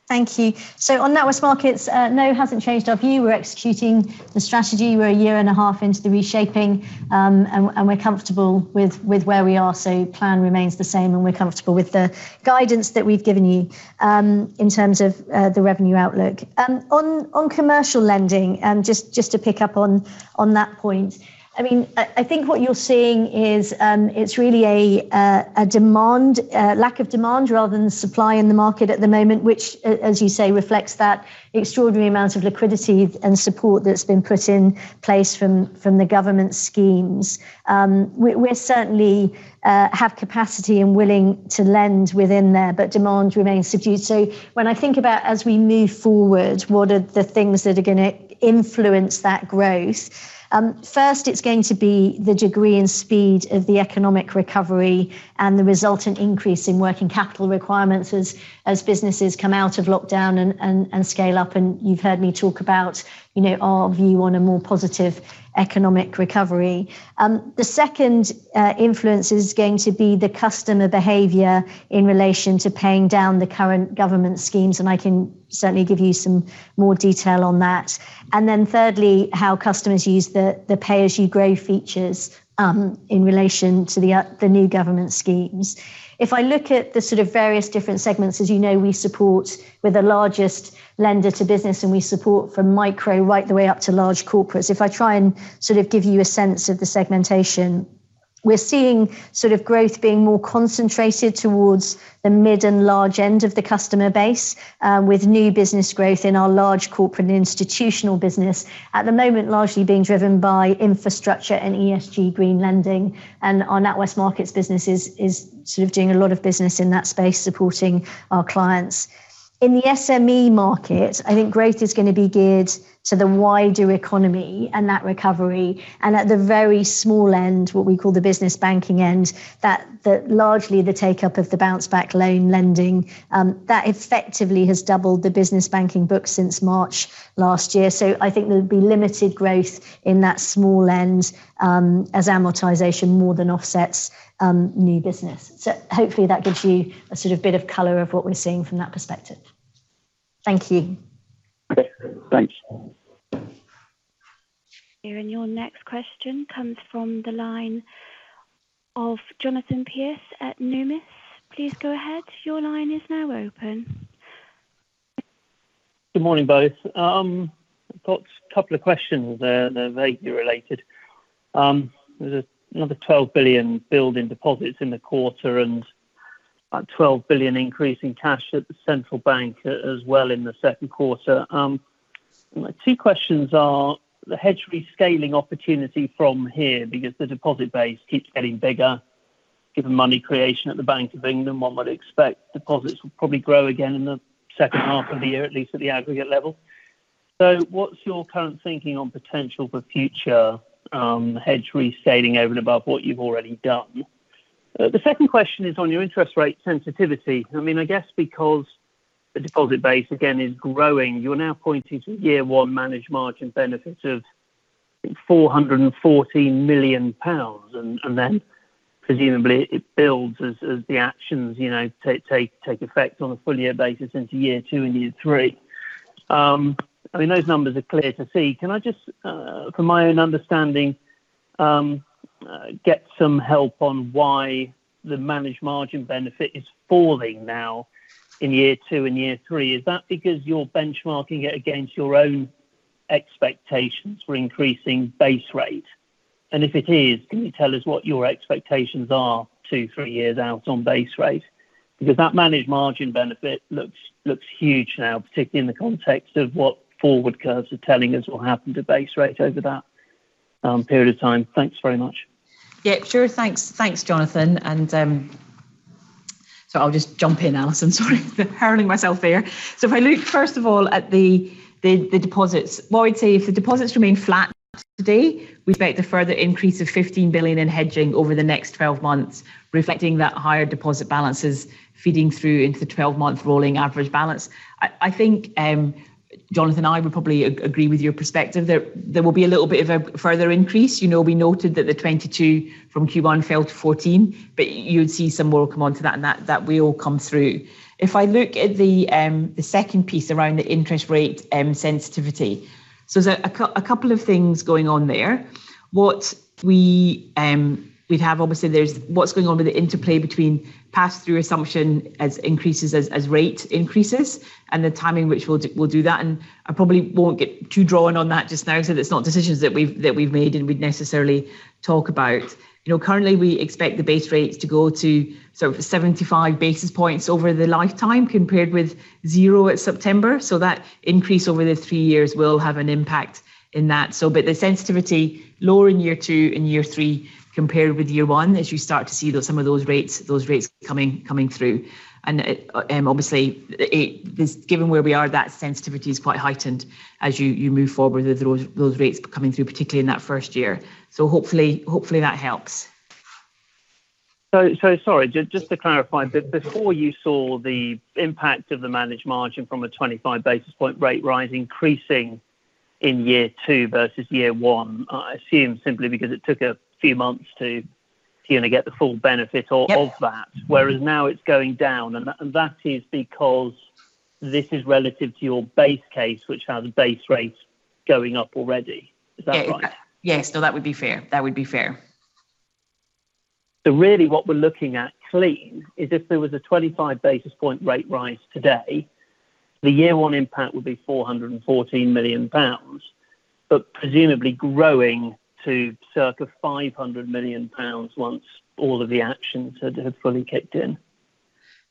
Thank you. On NatWest Markets, no, it hasn't changed our view. We're executing the strategy. We're a year and a half into the reshaping, and we're comfortable with where we are. The plan remains the same, and we're comfortable with the guidance that we've given you in terms of the revenue outlook. On commercial lending, just to pick up on that point. I think what you're seeing is it's really a lack of demand rather than supply in the market at the moment, which, as you say, reflects that extraordinary amount of liquidity and support that's been put in place from the government schemes. We certainly have capacity and willing to lend within there, but demand remains subdued. When I think about as we move forward, what are the things that are going to influence that growth? First, it's going to be the degree and speed of the economic recovery and the resultant increase in working capital requirements as businesses come out of lockdown and scale up. You've heard me talk about our view on a more positive economic recovery. The second influence is going to be the customer behavior in relation to paying down the current government schemes, and I can certainly give you some more detail on that. Thirdly, how customers use the Pay As You Grow features in relation to the new government schemes. If I look at the sort of various different segments, as you know, we support, we're the largest lender to business, and we support from micro right the way up to large corporates. If I try and sort of give you a sense of the segmentation, we're seeing sort of growth being more concentrated towards the mid and large end of the customer base, with new business growth in our large corporate institutional business, at the moment largely being driven by infrastructure and ESG green lending, and our NatWest Markets business is sort of doing a lot of business in that space, supporting our clients. In the SME market, I think growth is going to be geared to the wider economy and that recovery, and at the very small end, what we call the business banking end, largely the take-up of the Bounce Back Loan lending. That effectively has doubled the business banking books since March last year. I think there'll be limited growth in that small end as amortization more than offsets new business. Hopefully that gives you a sort of bit of color of what we're seeing from that perspective. Thank you. Okay, thanks. Your next question comes from the line of Jonathan Pierce at Numis. Good morning, both. Got a couple of questions. They're vaguely related. There's another 12 billion build in deposits in the quarter and a 12 billion increase in cash at the Bank of England as well in the second quarter. My two questions are the hedge rescaling opportunity from here, because the deposit base keeps getting bigger. Given money creation at the Bank of England, one would expect deposits will probably grow again in the second half of the year, at least at the aggregate level. What's your current thinking on potential for future hedge rescaling over and above what you've already done? The second question is on your interest rate sensitivity. I guess because the deposit base, again, is growing. You're now pointing to year one managed margin benefits of, I think, 414 million pounds, and then presumably it builds as the actions take effect on a full-year basis into year two and year three. Those numbers are clear to see. Can I just, for my own understanding, get some help on why the managed margin benefit is falling now in year two and year three? Is that because you're benchmarking it against your own expectations for increasing base rate? If it is, can you tell us what your expectations are two, three years out on base rate? That managed margin benefit looks huge now, particularly in the context of what forward curves are telling us will happen to base rates over that period of time. Thanks very much. Yeah, sure. Thanks, Jonathan. I'll just jump in, Alison. Sorry for hurling myself here. If I look first of all at the deposits. What I would say, if the deposits remain flat today, we expect a further increase of 15 billion in hedging over the next 12 months, reflecting that higher deposit balance is feeding through into the 12-month rolling average balance. I think, Jonathan, I would probably agree with your perspective, there will be a little bit of a further increase. We noted that the 22 from Q1 fell to 14, but you would see some will come onto that and that will come through. If I look at the second piece around the interest rate sensitivity. There's a couple of things going on there. What's going on with the interplay between pass-through assumption as increases as rate increases, and the timing which we'll do that, and I probably won't get too drawn on that just now, so it's not decisions that we've made and we'd necessarily talk about. Currently, we expect the base rates to go to 75 basis points over the lifetime, compared with zero at September. That increase over the three years will have an impact in that. The sensitivity lower in year two and year three compared with year one, as you start to see some of those rates coming through. Obviously, given where we are, that sensitivity is quite heightened as you move forward with those rates coming through, particularly in that first year. Hopefully that helps. Sorry, just to clarify. Before you saw the impact of the managed margin from a 25 basis point rate rise increasing in year two versus year one, I assume simply because it took a few months to get the full benefit of that. Yes. Whereas now it's going down, and that is because this is relative to your base case, which had the base rate going up already. Is that right? Yes. No, that would be fair. Really what we're looking at clean is if there was a 25 basis point rate rise today, the year one impact would be 414 million pounds, but presumably growing to circa 500 million pounds once all of the actions have fully kicked in.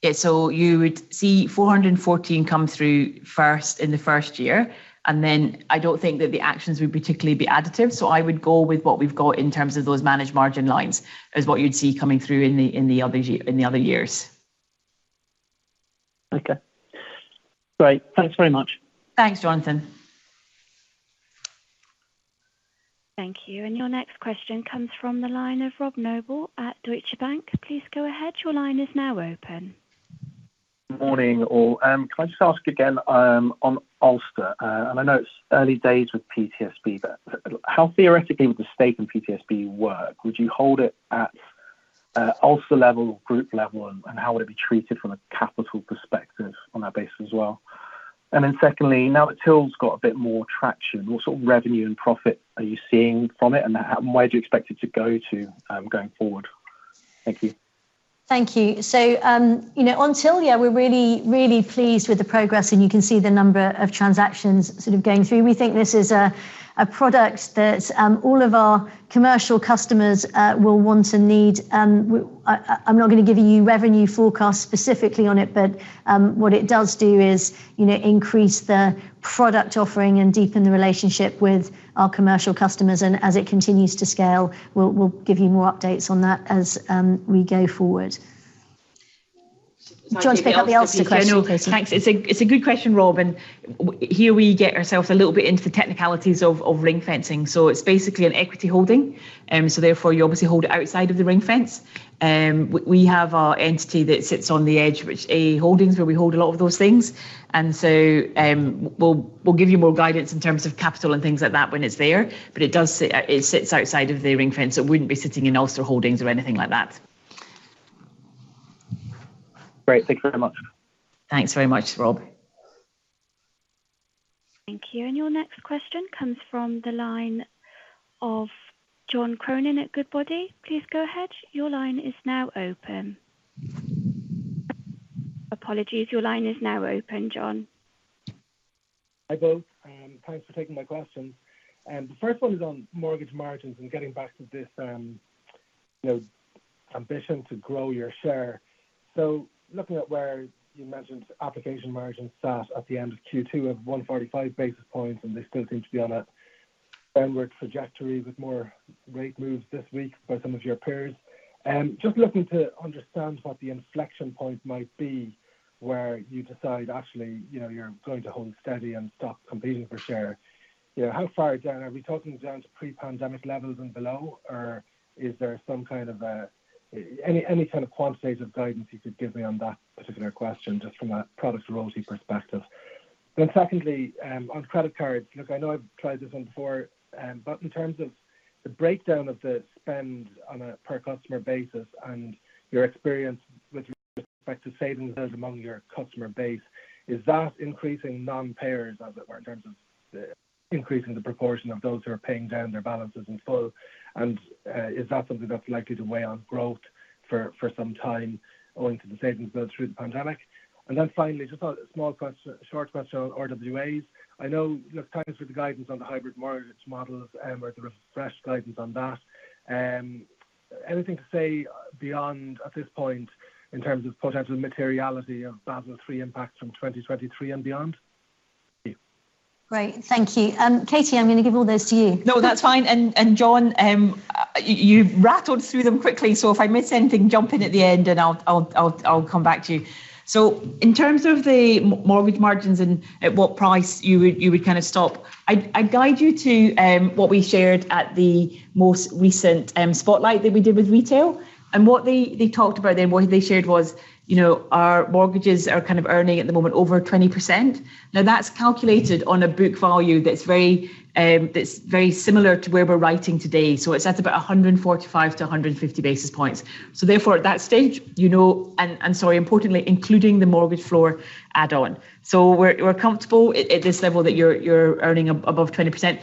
You would see 414 come through first in the first year. I don't think that the actions would particularly be additive. I would go with what we've got in terms of those managed margin lines as what you'd see coming through in the other years. Okay. Great. Thanks very much. Thanks, Jonathan. Thank you. Your next question comes from the line of Rob Noble at Deutsche Bank. Morning, all. Can I just ask again on Ulster. I know it's early days with PTSB, but how theoretically would the stake in PTSB work? Would you hold it at Ulster level or group level, and how would it be treated from a capital perspective on that base as well? Secondly, now that Tyl's got a bit more traction, what sort of revenue and profit are you seeing from it, and where do you expect it to go to going forward? Thank you. Thank you. On Tyl, yeah, we're really pleased with the progress, and you can see the number of transactions sort of going through. We think this is a product that all of our commercial customers will want and need. I'm not going to give you revenue forecasts specifically on it, what it does do is increase the product offering and deepen the relationship with our commercial customers. As it continues to scale, we'll give you more updates on that as we go forward. Do you want to pick up the Ulster question, Katie Murray? Thanks. It's a good question, Rob. Here we get ourselves a little bit into the technicalities of ring fencing. It's basically an equity holding, so therefore you obviously hold it outside of the ring fence. We have our entity that sits on the edge, which NatWest Holdings, where we hold a lot of those things. We'll give you more guidance in terms of capital and things like that when it's there. It sits outside of the ring fence, so it wouldn't be sitting in NatWest Holdings or anything like that. Great. Thank you very much. Thanks very much, Rob. Thank you. Your next question comes from the line of John Cronin at Goodbody. Please go ahead, your line is now open. Apologies, your line is now open, John. Hi, both. Thanks for taking my questions. The first one is on mortgage margins and getting back to this ambition to grow your share. Looking at where you mentioned application margins sat at the end of Q2 of 145 basis points, and they still seem to be on a downward trajectory with more rate moves this week by some of your peers. Just looking to understand what the inflection point might be where you decide actually you're going to hold steady and stop competing for share. How far down, are we talking down to pre-pandemic levels and below, or is there any kind of quantitative guidance you could give me on that particular question, just from a product ROE perspective? Secondly, on credit cards. Look, I know I've tried this one before, but in terms of the breakdown of the spend on a per customer basis and your experience with respect to savings built among your customer base, is that increasing non-payers, as it were, in terms of increasing the proportion of those who are paying down their balances in full? Is that something that's likely to weigh on growth for some time, owing to the savings built through the pandemic? Then finally, just a short question on RWAs. Look, thanks for the guidance on the hybrid mortgage models or the refreshed guidance on that. Anything to say beyond, at this point, in terms of potential materiality of Basel III impacts from 2023 and beyond? Great. Thank you. Katie, I'm going to give all those to you. No, that's fine. John, you rattled through them quickly, so if I miss anything, jump in at the end and I'll come back to you. In terms of the mortgage margins and at what price you would stop, I'd guide you to what we shared at the most recent spotlight that we did with retail, what they shared was our mortgages are earning at the moment over 20%. That's calculated on a book value that's very similar to where we're writing today. It's at about 145-150 basis points. Therefore, at that stage, sorry, importantly, including the mortgage floor add-on. We're comfortable at this level that you're earning above 20%.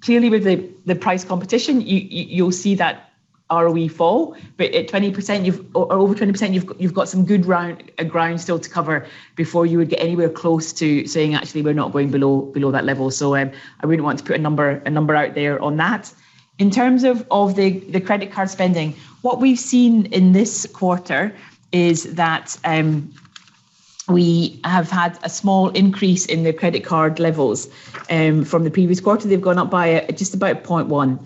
Clearly, with the price competition, you'll see that ROE fall, but at over 20%, you've got some good ground still to cover before you would get anywhere close to saying, "Actually, we're not going below that level." I wouldn't want to put a number out there on that. In terms of the credit card spending, what we've seen in this quarter is that we have had a small increase in the credit card levels. From the previous quarter, they've gone up by just about 0.1.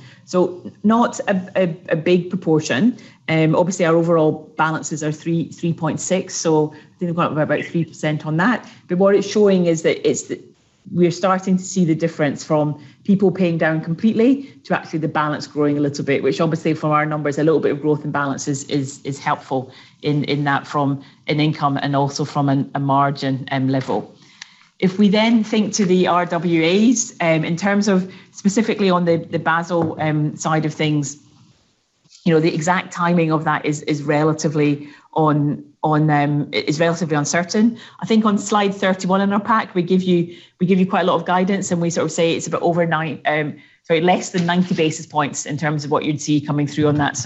Not a big proportion. Obviously, our overall balances are 3.6, they've gone up by about 3% on that. What it's showing is that we're starting to see the difference from people paying down completely to actually the balance growing a little bit, which obviously from our numbers, a little bit of growth in balance is helpful in that from an income and also from a margin level. If we then think to the RWAs, in terms of specifically on the Basel side of things, the exact timing of that is relatively uncertain. I think on slide 31 in our pack, we give you quite a lot of guidance, and we sort of say it's about less than 90 basis points in terms of what you'd see coming through on that.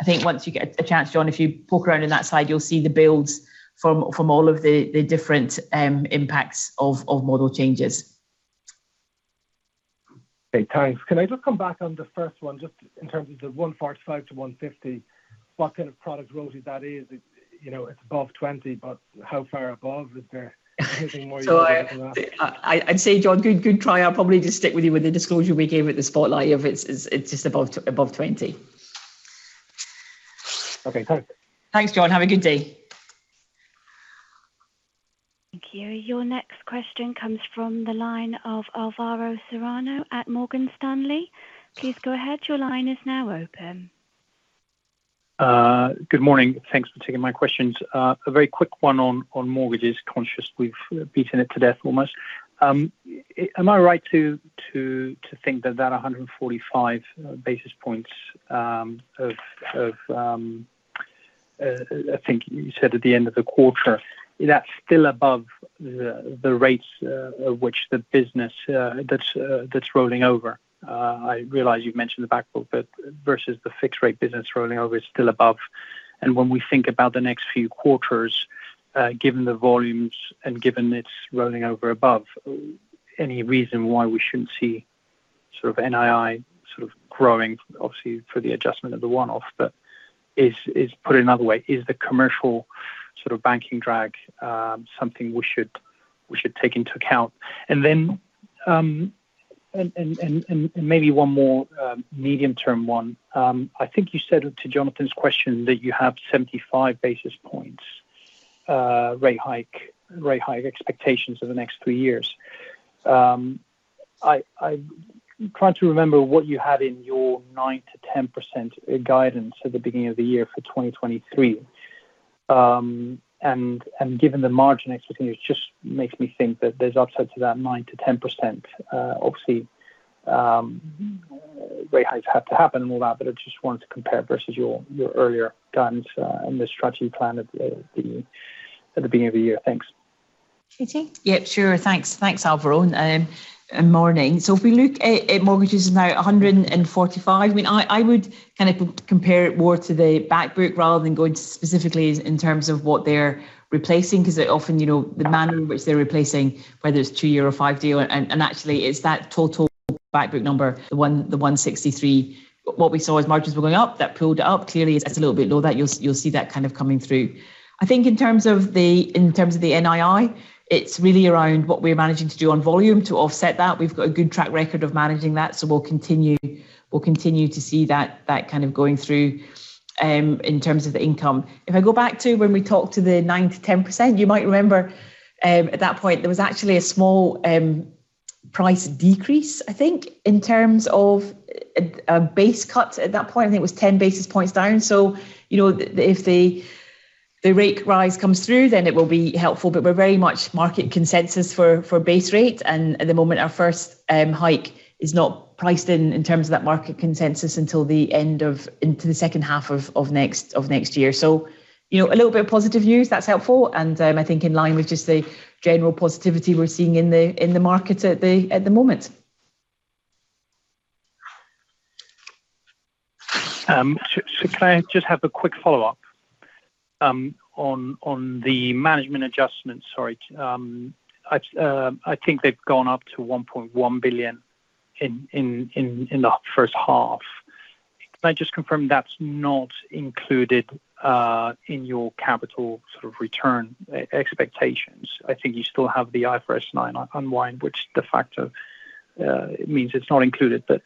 I think once you get a chance, John, if you poke around in that slide, you'll see the builds from all of the different impacts of model changes. Okay, thanks. Can I just come back on the first one, just in terms of the 145-150, what kind of product ROE that is? It's above 20%, but how far above? Is there anything more you can say on that? I'd say, John, good try. I'll probably just stick with you with the disclosure we gave at the spotlight of it's just above 20%. Okay, perfect. Thanks, John. Have a good day. Thank you. Your next question comes from the line of Alvaro Serrano at Morgan Stanley. Please go ahead. Good morning. Thanks for taking my questions. A very quick one on mortgages. Conscious we've beaten it to death almost. Am I right to think that that 145 basis points of, I think you said at the end of the quarter, that's still above the rates at which the business that's rolling over. I realize you've mentioned the back book, but versus the fixed rate business rolling over, it's still above. When we think about the next few quarters, given the volumes and given it's rolling over above, any reason why we shouldn't see sort of NII growing, obviously for the adjustment of the one-off. Put it another way, is the commercial sort of banking drag something we should take into account? Maybe one more medium term one. I think you said to Jonathan Pierce's question that you have 75 basis points rate hike expectations over the next three years. I'm trying to remember what you had in your 9%-10% guidance at the beginning of the year for 2023. Given the margin expectations, just makes me think that there's upside to that 9%-10%. Obviously, rate hikes have to happen and all that, but I just wanted to compare versus your earlier guidance and the strategy plan at the beginning of the year. Thanks. Katie? Yeah, sure. Thanks, Alvaro. Morning. If we look at mortgages now, 145, I would compare it more to the back book rather than going specifically in terms of what they're replacing, because often, the manner in which they're replacing, whether it's two-year or five-year, actually, it's that total back book number, the 163. What we saw as margins were going up, that pulled it up. Clearly, it's a little bit low that you'll see that kind of coming through. I think in terms of the NII, it's really around what we're managing to do on volume to offset that. We've got a good track record of managing that, we'll continue to see that going through in terms of the income. If I go back to when we talked to the 9%-10%, you might remember, at that point, there was actually a small price decrease, I think, in terms of a base cut at that point. I think it was 10 basis points down. If the rate rise comes through, then it will be helpful, but we're very much market consensus for base rate, and at the moment, our first hike is not priced in in terms of that market consensus until the second half of next year. A little bit of positive news, that's helpful, and I think in line with just the general positivity we're seeing in the market at the moment. Can I just have a quick follow-up on the management adjustments? Sorry. I think they've gone up to 1.1 billion in the first half. Can I just confirm that's not included in your capital sort of return expectations? I think you still have the IFRS 9 unwind, which de facto means it's not included. But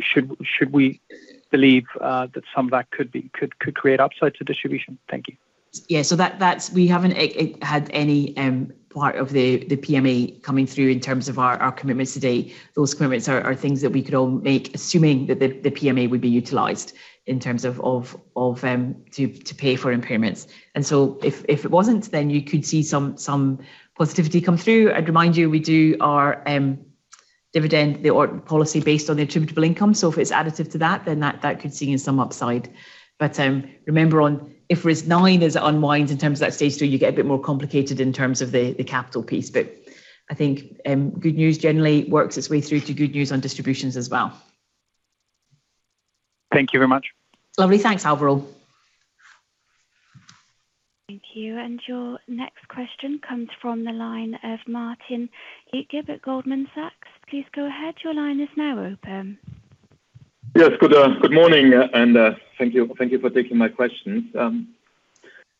should we believe that some of that could create upside to distribution? Thank you. Yeah. We haven't had any part of the PMA coming through in terms of our commitments to date. Those commitments are things that we could all make, assuming that the PMA would be utilized in terms of to pay for impairments. If it wasn't, then you could see some positivity come through. I'd remind you, we do our dividend policy based on the attributable income. If it's additive to that, then that could see some upside. Remember on IFRS 9 is unwind in terms of that stage two, you get a bit more complicated in terms of the capital piece. I think good news generally works its way through to good news on distributions as well. Thank you very much. Lovely. Thanks, Alvaro. Thank you. Your next question comes from the line of Martin Leitgeb, Goldman Sachs. Please go ahead. Yes. Good morning, thank you for taking my questions.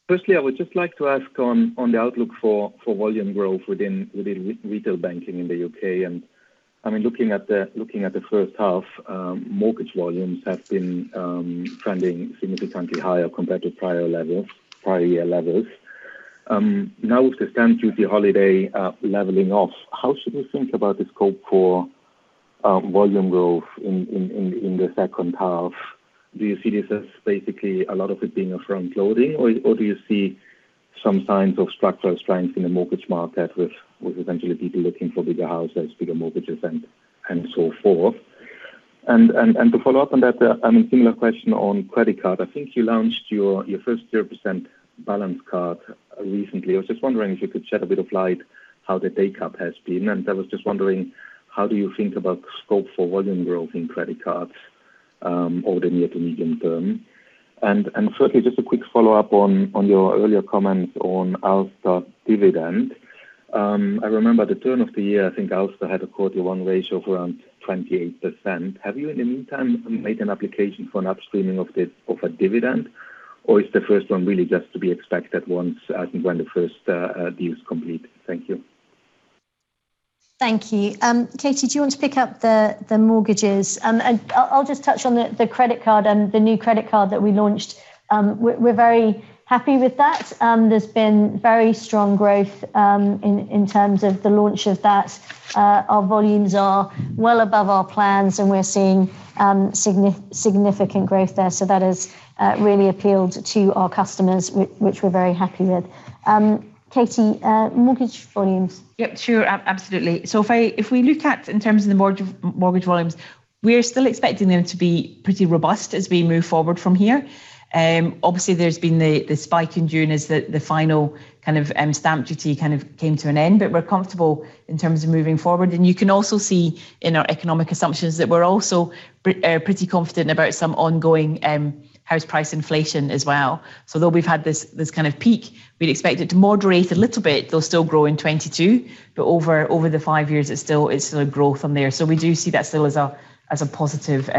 Firstly, I would just like to ask on the outlook for volume growth within retail banking in the U.K. Looking at the first half, mortgage volumes have been trending significantly higher compared to prior year levels. Now with the stamp duty holiday leveling off, how should we think about the scope for volume growth in the second half? Do you see this as basically a lot of it being a front-loading, or do you see some signs of structural strength in the mortgage market with essentially people looking for bigger houses, bigger mortgages, and so forth? To follow up on that, a similar question on credit card. I think you launched your first 0% balance card recently. I was just wondering if you could shed a bit of light how the take-up has been. I was just wondering, how do you think about scope for volume growth in credit cards over the near to medium term? Thirdly, just a quick follow-up on your earlier comments on Ulster dividend. I remember the turn of the year, I think Ulster had a quarter one ratio of around 28%. Have you, in the meantime, made an application for an upstreaming of a dividend, or is the first one really just to be expected once, I think, when the first deal is complete? Thank you. Thank you. Katie, do you want to pick up the mortgages? I'll just touch on the new credit card that we launched. We're very happy with that. There's been very strong growth in terms of the launch of that. Our volumes are well above our plans, and we're seeing significant growth there. That has really appealed to our customers, which we're very happy with. Katie, mortgage volumes. Yep, sure. Absolutely. If we look at in terms of the mortgage volumes, we're still expecting them to be pretty robust as we move forward from here. Obviously, there's been the spike in June as the final stamp duty came to an end. We're comfortable in terms of moving forward. You can also see in our economic assumptions that we're also pretty confident about some ongoing house price inflation as well. Though we've had this peak, we'd expect it to moderate a little bit, though still grow in 2022. Over the five years, it's still a growth from there. We do see that still as a positive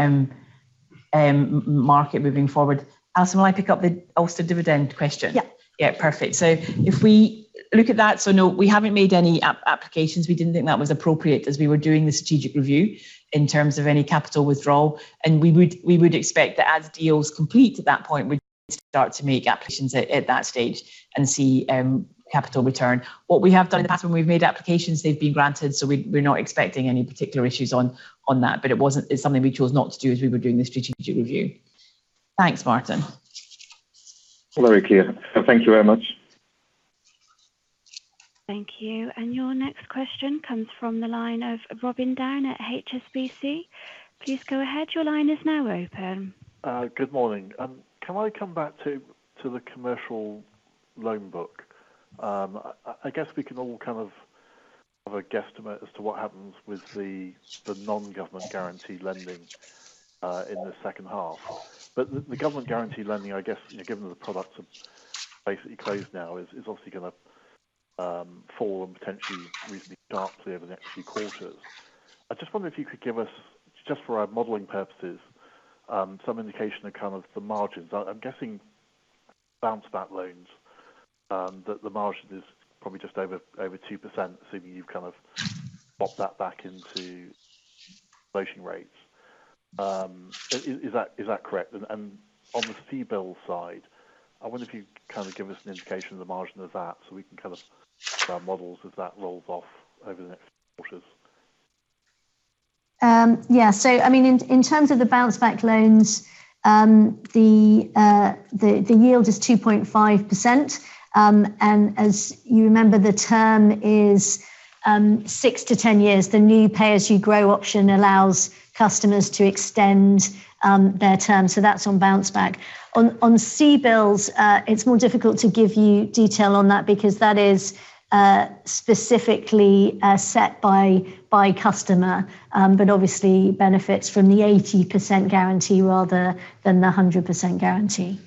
market moving forward. Alison, will I pick up the Ulster dividend question? Yeah. Yeah. Perfect. If we look at that, no, we haven't made any applications. We didn't think that was appropriate as we were doing the strategic review in terms of any capital withdrawal. We would expect that as deals complete at that point, we'd start to make applications at that stage and see capital return. What we have done in the past when we've made applications, they've been granted, so we're not expecting any particular issues on that. It's something we chose not to do as we were doing the strategic review. Thanks, Martin. Very clear. Thank you very much. Thank you. Your next question comes from the line of Robin Down at HSBC. Please go ahead. Good morning. Can I come back to the commercial loan book? I guess we can all have a guesstimate as to what happens with the non-government guaranteed lending in the second half. The government guaranteed lending, I guess, given that the products have basically closed now, is obviously going to fall and potentially reasonably sharply over the next few quarters. I just wonder if you could give us, just for our modeling purposes, some indication of the margins. I'm guessing Bounce Back Loans, that the margin is probably just over 2%, assuming you've bopped that back into floating rates. Is that correct? On the CBILS side, I wonder if you could give us an indication of the margin of that so we can adjust our models as that rolls off over the next quarters. In terms of the Bounce Back Loans, the yield is 2.5%. As you remember, the term is 6-10 years. The new Pay As You Grow option allows customers to extend their term. That's on Bounce Back. On CBILS, it's more difficult to give you detail on that because that is specifically set by customer. Obviously benefits from the 80% guarantee rather than the 100% guarantee.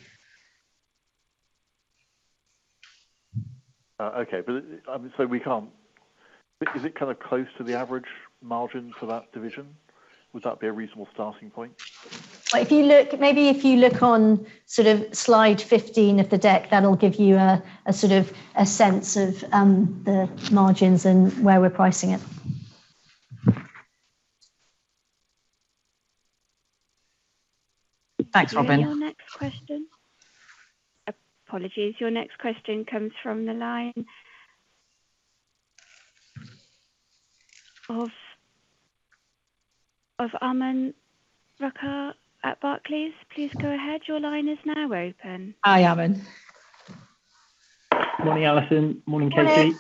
Okay. Is it close to the average margin for that division? Would that be a reasonable starting point? Maybe if you look on slide 15 of the deck, that'll give you a sense of the margins and where we're pricing it. Thanks, Robin. Your next question. Apologies. Your next question comes from the line of Aman Rakkar at Barclays. Please go ahead. Hi, Aman. Morning, Alison. Morning, Katie.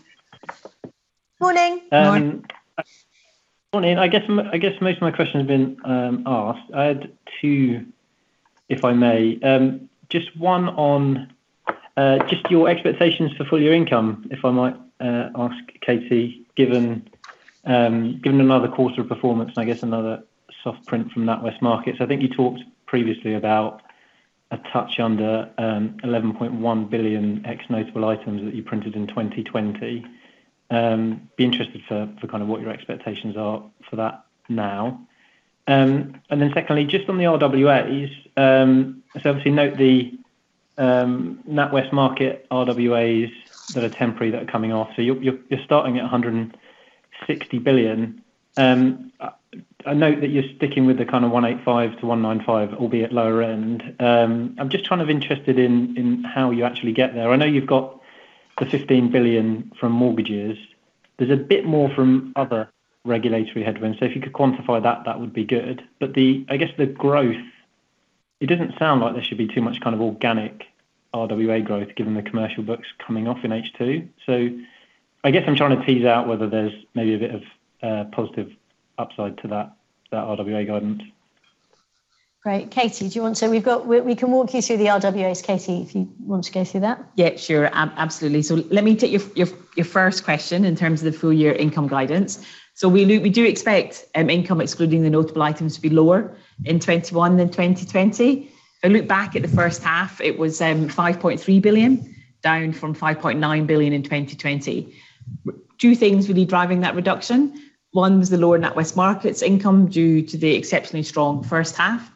Morning. Morning. Morning. I guess most of my questions have been asked. I had two, if I may. Just one on your expectations for full-year income, if I might ask Katie, given another quarter of performance and I guess another soft print from NatWest Markets. I think you talked previously about a touch under 11.1 billion ex notable items that you printed in 2020. Be interested for what your expectations are for that now. Secondly, just on the RWAs. Obviously, note the NatWest Markets RWAs that are temporary that are coming off. You're starting at 160 billion. I note that you're sticking with the kind of 185 billion-195 billion, albeit lower end. I'm just interested in how you actually get there. I know you've got the 15 billion from mortgages. There's a bit more from other regulatory headwinds. If you could quantify that would be good. I guess the growth, it doesn't sound like there should be too much organic RWA growth given the commercial books coming off in H2. I guess I'm trying to tease out whether there's maybe a bit of positive upside to that RWA guidance. Great. Katie, we can walk you through the RWAs, Katie, if you want to go through that. Yeah, sure. Absolutely. Let me take your first question in terms of the full-year income guidance. We do expect income excluding the notable items to be lower in 2021 than 2020. If I look back at the first half, it was 5.3 billion, down from 5.9 billion in 2020. Two things will be driving that reduction. One was the lower NatWest Markets income due to the exceptionally strong first half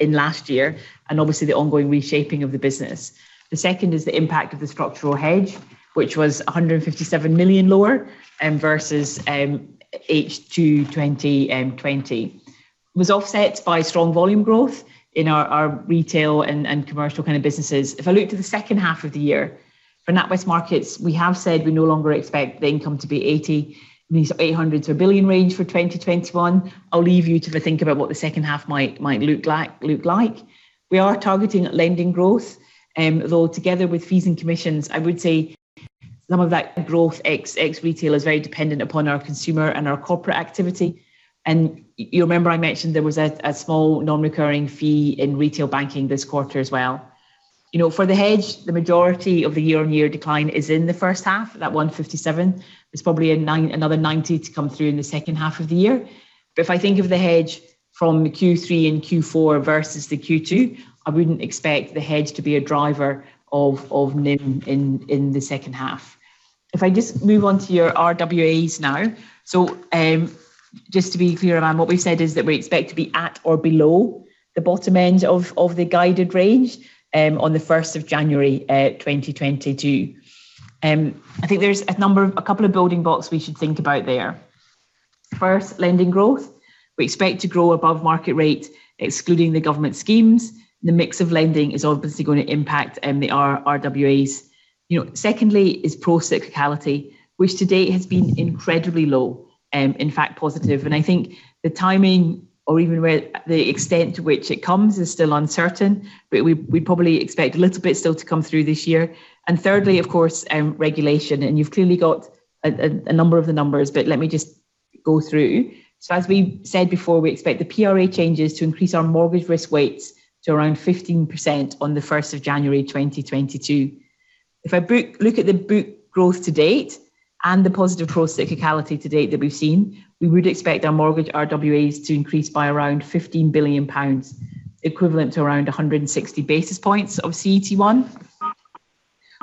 in last year, and obviously the ongoing reshaping of the business. The second is the impact of the structural hedge, which was 157 million lower versus H2 2020. It was offset by strong volume growth in our retail and commercial businesses. If I look to the second half of the year, for NatWest Markets, we have said we no longer expect the income to be 800 million-1 billion range for 2021. I'll leave you to think about what the second half might look like. We are targeting lending growth, although together with fees and commissions, I would say some of that growth ex retail is very dependent upon our consumer and our corporate activity. You'll remember I mentioned there was a small non-recurring fee in retail banking this quarter as well. For the hedge, the majority of the year-on-year decline is in the first half, that 157. There's probably another 90 to come through in the second half of the year. If I think of the hedge from Q3 and Q4 versus the Q2, I wouldn't expect the hedge to be a driver of NIM in the second half. If I just move on to your RWAs now. Just to be clear, Aman, what we've said is that we expect to be at or below the bottom end of the guided range on the 1st of January 2022. I think there's a couple of building blocks we should think about there. First, lending growth. We expect to grow above market rate, excluding the government schemes. The mix of lending is obviously going to impact the RWAs. Secondly is pro-cyclicality, which to date has been incredibly low, in fact positive. I think the timing or even the extent to which it comes is still uncertain, but we probably expect a little bit still to come through this year. Thirdly, of course, regulation, and you've clearly got a number of the numbers, but let me just go through. As we said before, we expect the PRA changes to increase our mortgage risk weights to around 15% on the 1st of January 2022. If I look at the book growth to date and the positive pro-cyclicality to date that we've seen, we would expect our mortgage RWAs to increase by around 15 billion pounds, equivalent to around 160 basis points of CET1.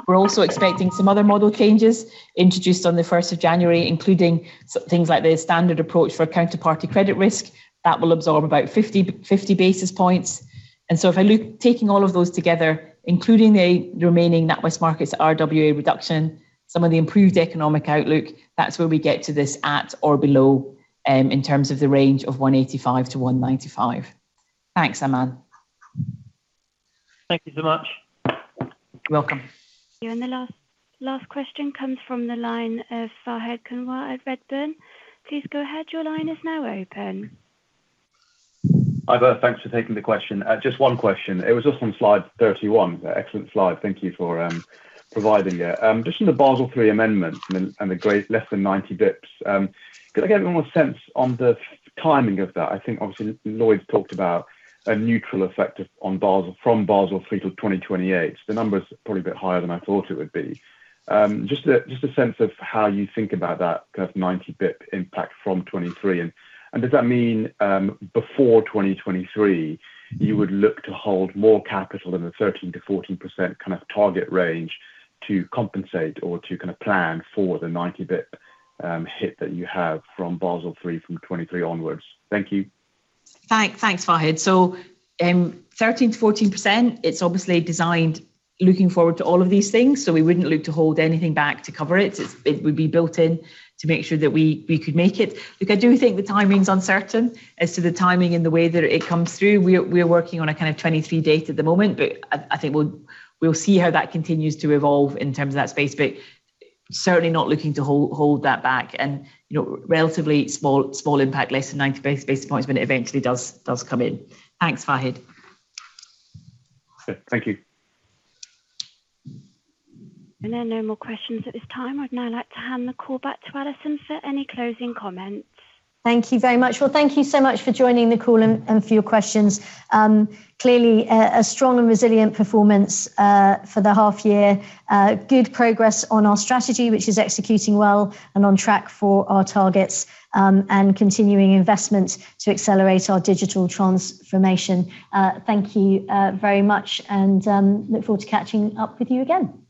We're also expecting some other model changes introduced on the 1st of January, including things like the Standardised Approach for Counterparty Credit Risk. That will absorb about 50 basis points. If I look, taking all of those together, including the remaining NatWest Markets RWA reduction, some of the improved economic outlook, that's where we get to this at or below in terms of the range of 185-195. Thanks, Aman. Thank you so much. You're welcome. The last question comes from the line of Fahed Kunwar at Redburn. Please go ahead. Your line is now open. Hi there. Thanks for taking the question. Just one question. It was just on slide 31, excellent slide. Thank you for providing it. Just on the Basel III amendment and the less than 90 basis points. Could I get more sense on the timing of that? I think obviously Lloyds talked about a neutral effect from Basel III till 2028. The number's probably a bit higher than I thought it would be. Just a sense of how you think about that 90 basis point impact from 2023. Does that mean before 2023, you would look to hold more capital than the 13%-14% target range to compensate or to plan for the 90 basis point hit that you have from Basel III from 2023 onwards? Thank you. Thanks, Fahed. 13%-14%, it's obviously designed looking forward to all of these things. We wouldn't look to hold anything back to cover it. It would be built in to make sure that we could make it. Look, I do think the timing's uncertain as to the timing and the way that it comes through. We're working on a 2023 date at the moment, I think we'll see how that continues to evolve in terms of that space, certainly not looking to hold that back, and relatively small impact, less than 90 basis points when it eventually does come in. Thanks, Fahed. Thank you. There are no more questions at this time. I'd now like to hand the call back to Alison for any closing comments. Thank you very much. Well, thank you so much for joining the call and for your questions. Clearly, a strong and resilient performance for the half year. Good progress on our strategy, which is executing well and on track for our targets, and continuing investments to accelerate our digital transformation. Thank you very much, and look forward to catching up with you again.